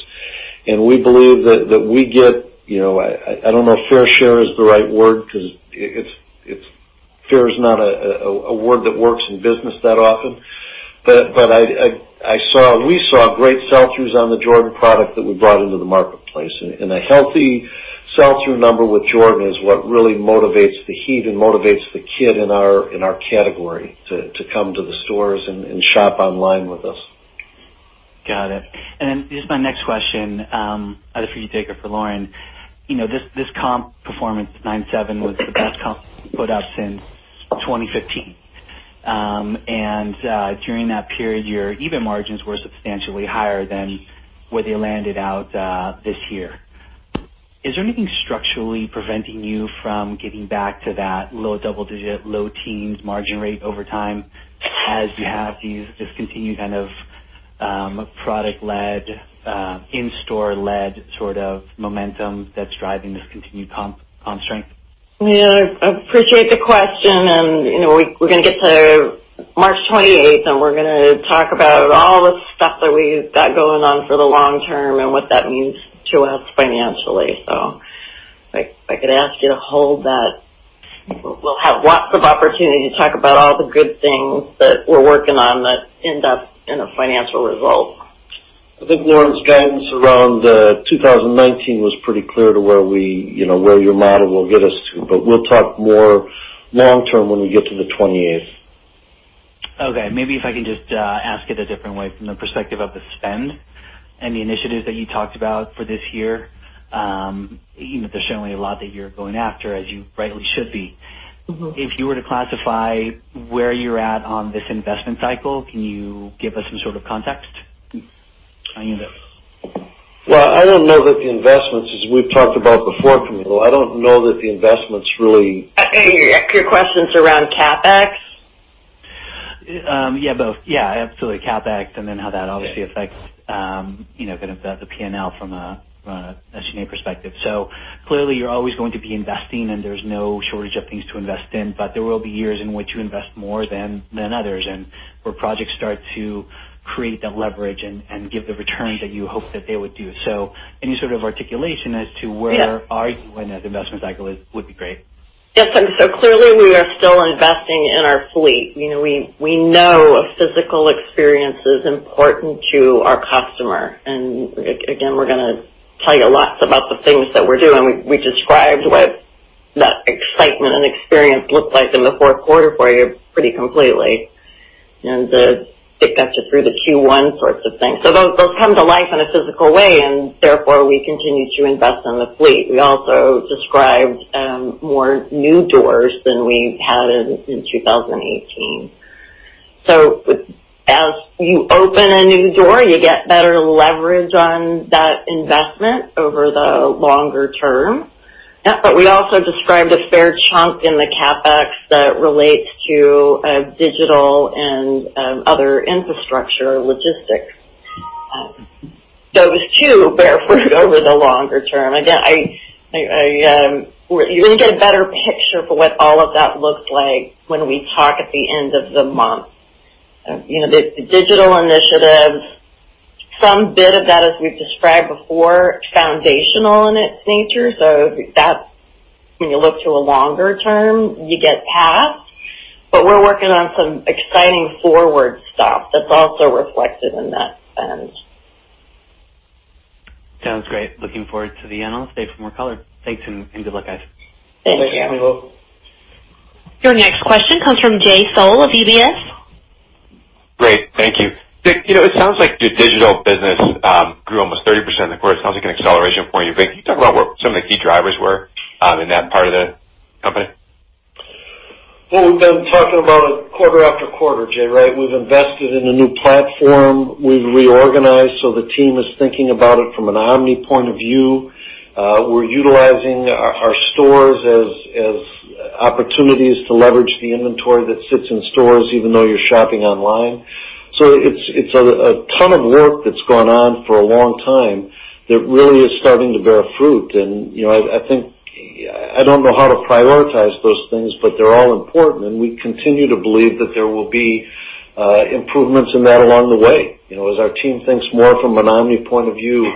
S4: and we believe that we get, I don't know if fair share is the right word because fair is not a word that works in business that often. We saw great sell-throughs on the Jordan product that we brought into the marketplace, and a healthy sell-through number with Jordan is what really motivates the heat and motivates the kid in our category to come to the stores and shop online with us.
S8: Got it. This is my next question, either for you to take or for Lauren. This comp performance, 9.7%, was the best comp you put up since 2015. During that period, your EBIT margins were substantially higher than where they landed out this year. Is there anything structurally preventing you from getting back to that low double digit, low teens margin rate over time as you have these just continued kind of product led, in-store led sort of momentum that's driving this continued comp strength?
S3: I appreciate the question, and we're going to get to March 28th, and we're going to talk about all the stuff that we've got going on for the long term and what that means to us financially. If I could ask you to hold that. We'll have lots of opportunity to talk about all the good things that we're working on that end up in a financial result.
S4: I think Lauren's guidance around the 2019 was pretty clear to where your model will get us to. We'll talk more long term when we get to the 28th.
S8: Maybe if I can just ask it a different way from the perspective of the spend and the initiatives that you talked about for this year. There's certainly a lot that you're going after, as you rightly should be. If you were to classify where you're at on this investment cycle, can you give us some sort of context?
S4: Well, as we've talked about before, Camilo, I don't know that the investments.
S3: Your question's around CapEx?
S8: Yeah, both. Yeah, absolutely. CapEx, and then how that obviously affects the P&L from an SG&A perspective. Clearly you're always going to be investing, and there's no shortage of things to invest in, there will be years in which you invest more than others and where projects start to create that leverage and give the returns that you hope that they would do. Any sort of articulation as to.
S3: Yeah
S8: are you in that investment cycle is would be great.
S3: Yes. Clearly we are still investing in our fleet. We know a physical experience is important to our customer, again, we're going to tell you lots about the things that we're doing. We described what that excitement and experience looked like in the fourth quarter for you pretty completely, it got you through the Q1 sorts of things. Those come to life in a physical way, therefore we continue to invest in the fleet. We also described more new doors than we had in 2018. As you open a new door, you get better leverage on that investment over the longer term. We also described a fair chunk in the CapEx that relates to digital and other infrastructure logistics. It was to bear fruit over the longer term. Again, you're going to get a better picture for what all of that looks like when we talk at the end of the month. The digital initiative, some bit of that, as we've described before, foundational in its nature. When you look to a longer term, you get past, we're working on some exciting forward stuff that's also reflected in that spend.
S8: Sounds great. Looking forward to the analyst day for more color. Thanks, good luck, guys.
S3: Thank you.
S4: Thanks, Camilo.
S1: Your next question comes from Jay Sole of UBS.
S9: Great. Thank you. Dick, it sounds like your digital business grew almost 30% in the quarter. It sounds like an acceleration for you. Can you talk about what some of the key drivers were in that part of the company?
S4: Well, we've been talking about it quarter after quarter, Jay, right? We've invested in a new platform. We've reorganized, so the team is thinking about it from an omni point of view. We're utilizing our stores as opportunities to leverage the inventory that sits in stores, even though you're shopping online. It's a ton of work that's gone on for a long time that really is starting to bear fruit, and I don't know how to prioritize those things, but they're all important, and we continue to believe that there will be improvements in that along the way. As our team thinks more from an omni point of view,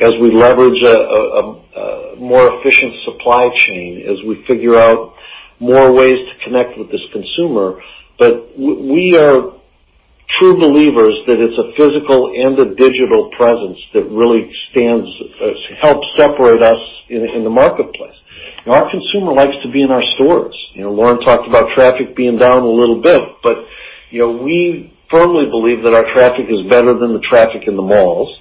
S4: as we leverage a more efficient supply chain, as we figure out more ways to connect with this consumer. We are true believers that it's a physical and a digital presence that really helps separate us in the marketplace. Our consumer likes to be in our stores. Lauren talked about traffic being down a little bit, but we firmly believe that our traffic is better than the traffic in the malls,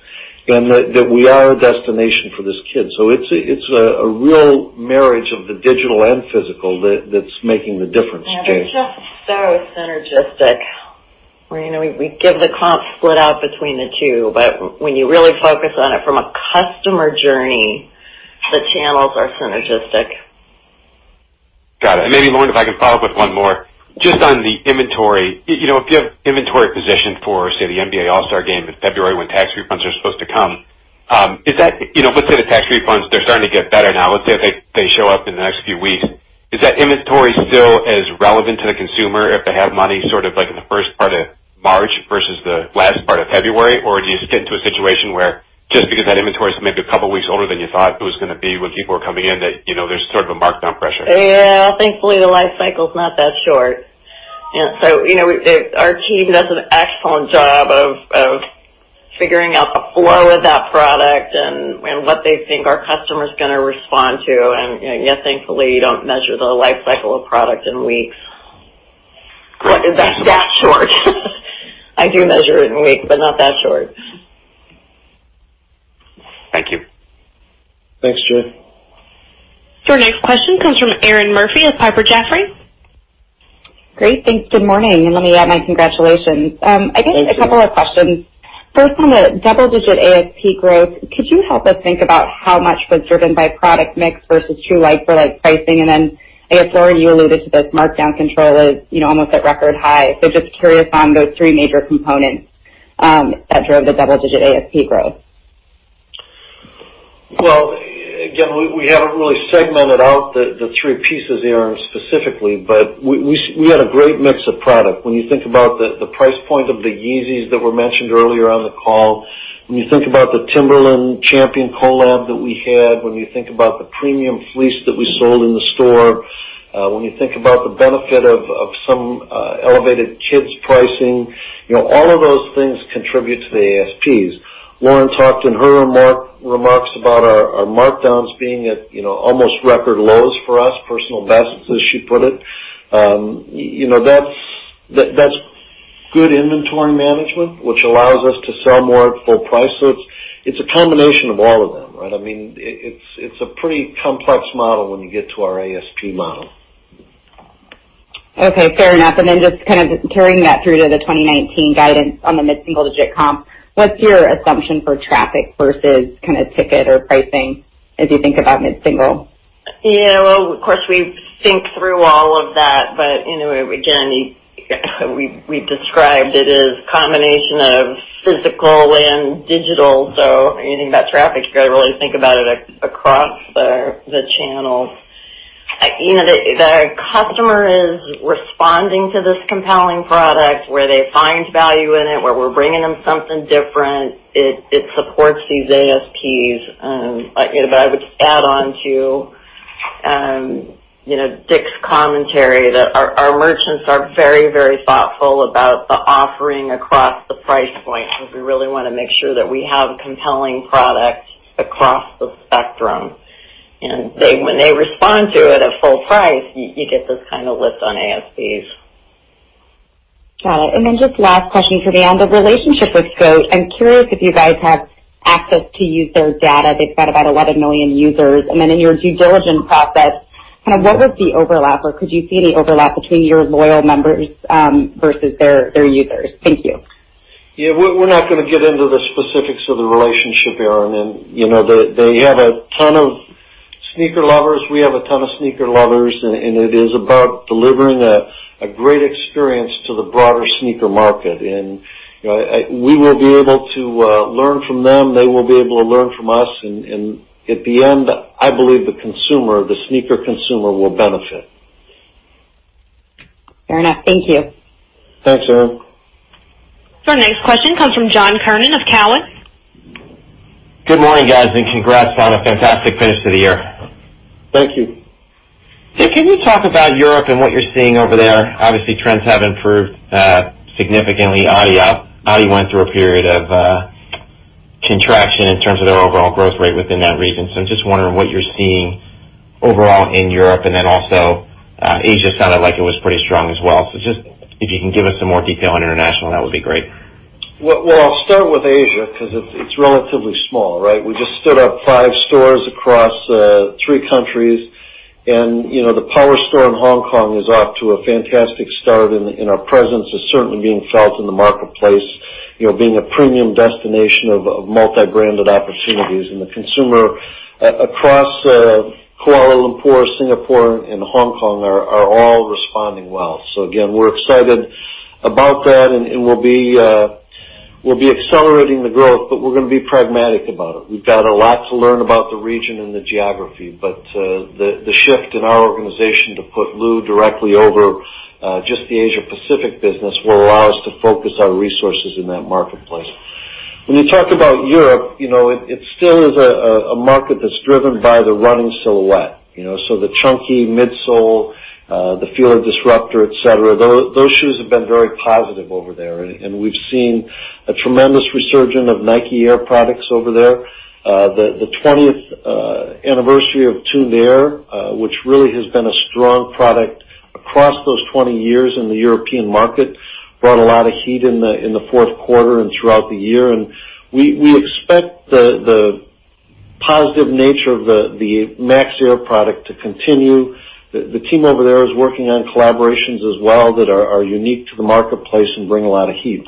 S4: and that we are a destination for this kid. It's a real marriage of the digital and physical that's making the difference, Jay.
S3: Yeah. They're just so synergistic, where we give the comp split out between the two, but when you really focus on it from a customer journey, the channels are synergistic.
S9: Got it. Maybe, Lauren, if I can follow up with one more. Just on the inventory. If you have inventory positioned for, say, the NBA All-Star game in February when tax refunds are supposed to come, let's say the tax refunds, they're starting to get better now. Let's say they show up in the next few weeks. Is that inventory still as relevant to the consumer if they have money sort of, like, in the first part of March versus the last part of February? Or do you get into a situation where just because that inventory is maybe a couple of weeks older than you thought it was going to be when people are coming in, that there's sort of a markdown pressure?
S3: Yeah. Thankfully, the life cycle's not that short. Our team does an excellent job of figuring out the flow of that product and what they think our customer's going to respond to. Yes, thankfully, you don't measure the life cycle of product in weeks.
S9: Correct.
S3: That short. I do measure it in weeks, not that short.
S4: Thanks, Jay.
S1: Your next question comes from Erinn Murphy with Piper Jaffray.
S10: Great. Thanks. Good morning, let me add my congratulations.
S4: Thank you.
S10: I guess a couple of questions. First, on the double-digit ASP growth, could you help us think about how much was driven by product mix versus true like-for-like pricing? Lauren, you alluded to this markdown control as almost at record high. Just curious on those three major components that drove the double-digit ASP growth.
S4: Well, again, we haven't really segmented out the three pieces, Erinn, specifically, we had a great mix of product. When you think about the price point of the Yeezys that were mentioned earlier on the call, when you think about the Timberland Champion collab that we had, when you think about the premium fleece that we sold in the store, when you think about the benefit of some elevated kids' pricing, all of those things contribute to the ASPs. Lauren talked in her remarks about our markdowns being at almost record lows for us, personal bests as she put it. That's good inventory management, which allows us to sell more at full price. It's a combination of all of them, right? It's a pretty complex model when you get to our ASP model.
S10: Okay. Fair enough. Just kind of carrying that through to the 2019 guidance on the mid-single-digit comp, what's your assumption for traffic versus ticket or pricing as you think about mid-single?
S3: Well, of course, we think through all of that, again, we've described it as a combination of physical and digital. Anything about traffic, you've got to really think about it across the channels. The customer is responding to this compelling product, where they find value in it, where we're bringing them something different. It supports these ASPs. I would add on to Dick's commentary that our merchants are very thoughtful about the offering across the price point, because we really want to make sure that we have compelling product across the spectrum. When they respond to it at full price, you get this kind of lift on ASPs.
S10: Got it. Just last question for the end, the relationship with GOAT. I'm curious if you guys have access to use their data. They've got about 11 million users. In your due diligence process, what was the overlap, or could you see any overlap between your loyal members versus their users? Thank you.
S4: Yeah. We're not going to get into the specifics of the relationship, Erinn. They have a ton of sneaker lovers. We have a ton of sneaker lovers, it is about delivering a great experience to the broader sneaker market. We will be able to learn from them. They will be able to learn from us. In the end, I believe the consumer, the sneaker consumer, will benefit.
S10: Fair enough. Thank you.
S4: Thanks, Erinn.
S1: Our next question comes from John Kernan of Cowen.
S11: Good morning, guys, congrats on a fantastic finish to the year.
S4: Thank you.
S11: Dick, can you talk about Europe and what you're seeing over there? Obviously, trends have improved significantly. adi went through a period of contraction in terms of their overall growth rate within that region. I'm just wondering what you're seeing overall in Europe, and then also Asia sounded like it was pretty strong as well. Just if you can give us some more detail on international, that would be great.
S4: Well, I'll start with Asia because it's relatively small, right? We just stood up five stores across three countries, the power store in Hong Kong is off to a fantastic start, and our presence is certainly being felt in the marketplace, being a premium destination of multi-branded opportunities. The consumer across Kuala Lumpur, Singapore, and Hong Kong are all responding well. Again, we're excited about that, and we'll be accelerating the growth, but we're going to be pragmatic about it. We've got a lot to learn about the region and the geography, but the shift in our organization to put Lou directly over just the Asia Pacific business will allow us to focus our resources in that marketplace. When you talk about Europe, it still is a market that's driven by the running silhouette. The chunky midsole, the Fila Disruptor, et cetera, those shoes have been very positive over there, and we've seen a tremendous resurgence of Nike Air products over there. The 20th anniversary of Tuned Air which really has been a strong product across those 20 years in the European market, brought a lot of heat in the fourth quarter and throughout the year. We expect the positive nature of the Max Air product to continue. The team over there is working on collaborations as well that are unique to the marketplace and bring a lot of heat.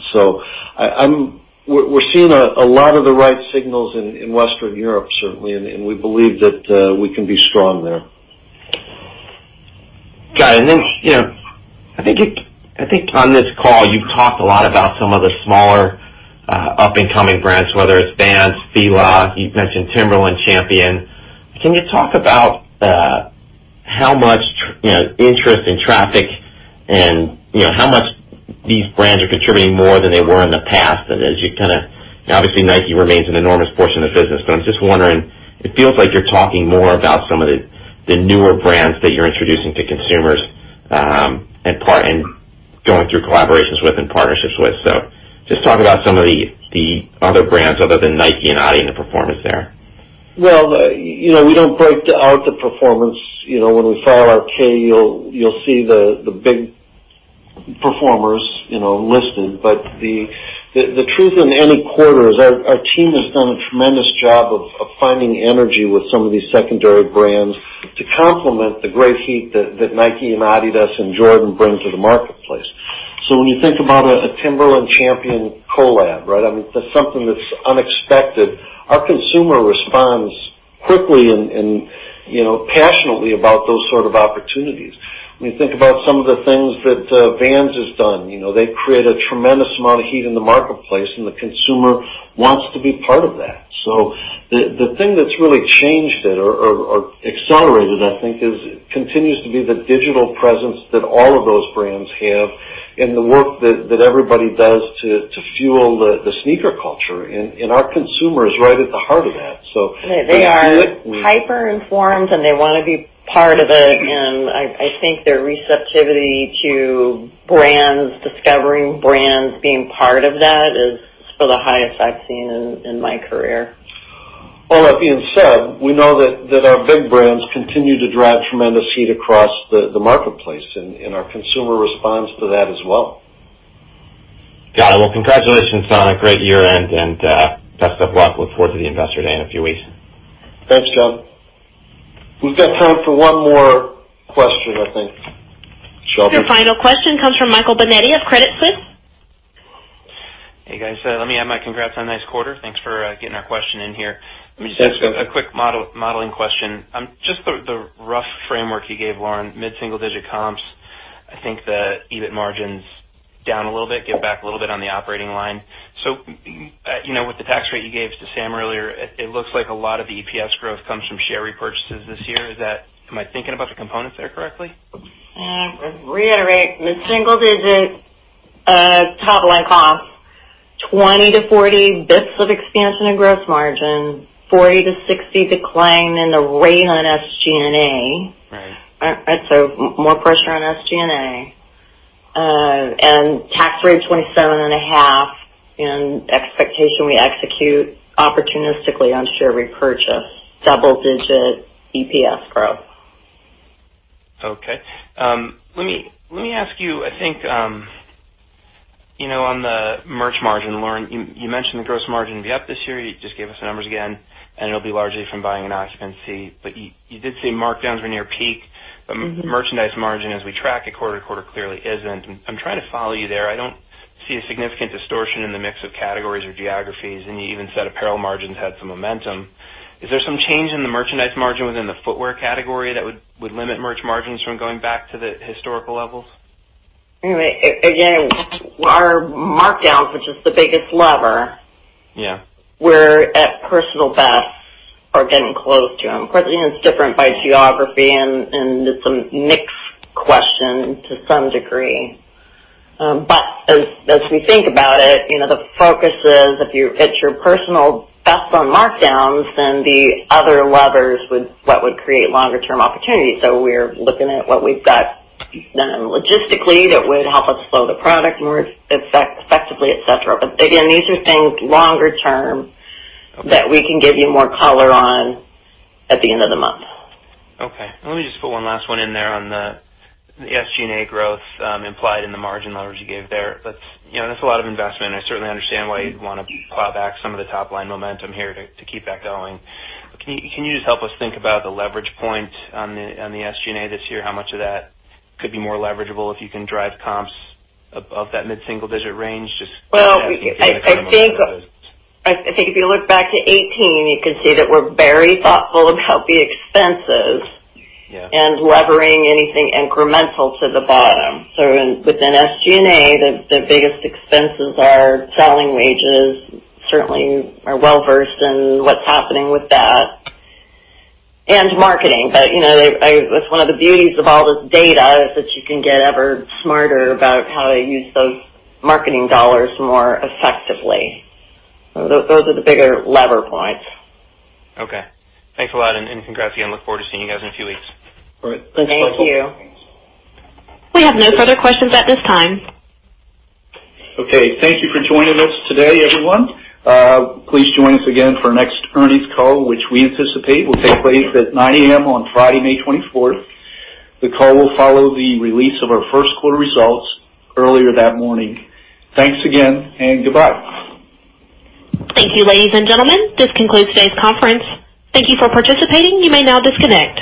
S4: We're seeing a lot of the right signals in Western Europe, certainly, and we believe that we can be strong there.
S11: Got it. Then, I think on this call, you've talked a lot about some of the smaller up-and-coming brands, whether it's Vans, Fila. You've mentioned Timberland, Champion. Can you talk about how much interest in traffic and how much these brands are contributing more than they were in the past? Obviously, Nike remains an enormous portion of the business, but I'm just wondering. It feels like you're talking more about some of the newer brands that you're introducing to consumers and going through collaborations with and partnerships with. Just talk about some of the other brands other than Nike and adi and the performance there.
S4: Well, we don't break out the performance. When we file our K, you'll see the big performers listed. The truth in any quarter is our team has done a tremendous job of finding energy with some of these secondary brands to complement the great heat that Nike and Adidas and Jordan bring to the marketplace. When you think about a Timberland Champion collab, right? I mean, that's something that's unexpected. Our consumer responds quickly and passionately about those sort of opportunities. When you think about some of the things that Vans has done, they've created a tremendous amount of heat in the marketplace, and the consumer wants to be part of that. The thing that's really changed it or accelerated, I think, is it continues to be the digital presence that all of those brands have and the work that everybody does to fuel the sneaker culture and our consumer is right at the heart of that.
S3: They are hyper-informed, and they want to be part of it. I think their receptivity to brands, discovering brands, being part of that is still the highest I've seen in my career.
S4: All that being said, we know that our big brands continue to drive tremendous heat across the marketplace, and our consumer responds to that as well.
S11: Got it. Well, congratulations on a great year-end, and best of luck. Look forward to the investor day in a few weeks.
S4: Thanks, John. We've got time for one more question, I think. Shelby?
S1: Your final question comes from Michael Binetti of Credit Suisse.
S12: Hey, guys. Let me add my congrats on a nice quarter. Thanks for getting our question in here.
S4: Thanks, Michael.
S12: Just a quick modeling question. Just the rough framework you gave, Lauren, mid-single-digit comps. I think the EBIT margins down a little bit, get back a little bit on the operating line. With the tax rate you gave to Sam earlier, it looks like a lot of the EPS growth comes from share repurchases this year. Am I thinking about the components there correctly?
S3: Reiterate mid-single-digit, top-line comps, 20 to 40 basis points of expansion in gross margin, 40 to 60 decline in the rate on SG&A.
S12: Right.
S3: More pressure on SG&A. Tax rate 27.5 and expectation we execute opportunistically on share repurchase, double-digit EPS growth.
S12: Okay. Let me ask you, I think, on the merch margin, Lauren, you mentioned the gross margin will be up this year. You just gave us the numbers again, and it'll be largely from buyer and occupancy. You did say markdowns were near peak. Merchandise margin, as we track it quarter to quarter, clearly isn't. I'm trying to follow you there. I don't see a significant distortion in the mix of categories or geographies, you even said apparel margins had some momentum. Is there some change in the merchandise margin within the footwear category that would limit merch margins from going back to the historical levels?
S3: Again, our markdowns, which is the biggest lever.
S12: Yeah
S3: We're at personal bests or getting close to them. Of course, it's different by geography it's a mix question to some degree. As we think about it, the focus is if you're at your personal best on markdowns, then the other levers would what would create longer term opportunity. We're looking at what we've got done logistically that would help us flow the product more effectively, et cetera. Again, these are things longer term that we can give you more color on at the end of the month.
S12: Okay. Let me just put one last one in there on the SG&A growth implied in the margin numbers you gave there. That's a lot of investment. I certainly understand why you'd want to claw back some of the top-line momentum here to keep that going. Can you just help us think about the leverage point on the SG&A this year? How much of that could be more leverageable if you can drive comps above that mid-single digit range?
S3: Well, I think if you look back to 2018, you can see that we're very thoughtful about the expenses.
S12: Yeah
S3: Levering anything incremental to the bottom. Within SG&A, the biggest expenses are selling wages, certainly are well-versed in what's happening with that, and marketing. That's one of the beauties of all this data is that you can get ever smarter about how to use those marketing dollars more effectively. Those are the bigger lever points.
S12: Okay. Thanks a lot, and congrats again. Look forward to seeing you guys in a few weeks.
S4: All right.
S3: Thank you.
S1: We have no further questions at this time.
S4: Okay. Thank you for joining us today, everyone. Please join us again for our next earnings call, which we anticipate will take place at 9:00 A.M. on Friday, May 24th. The call will follow the release of our first quarter results earlier that morning. Thanks again, and goodbye.
S1: Thank you, ladies and gentlemen. This concludes today's conference. Thank you for participating. You may now disconnect.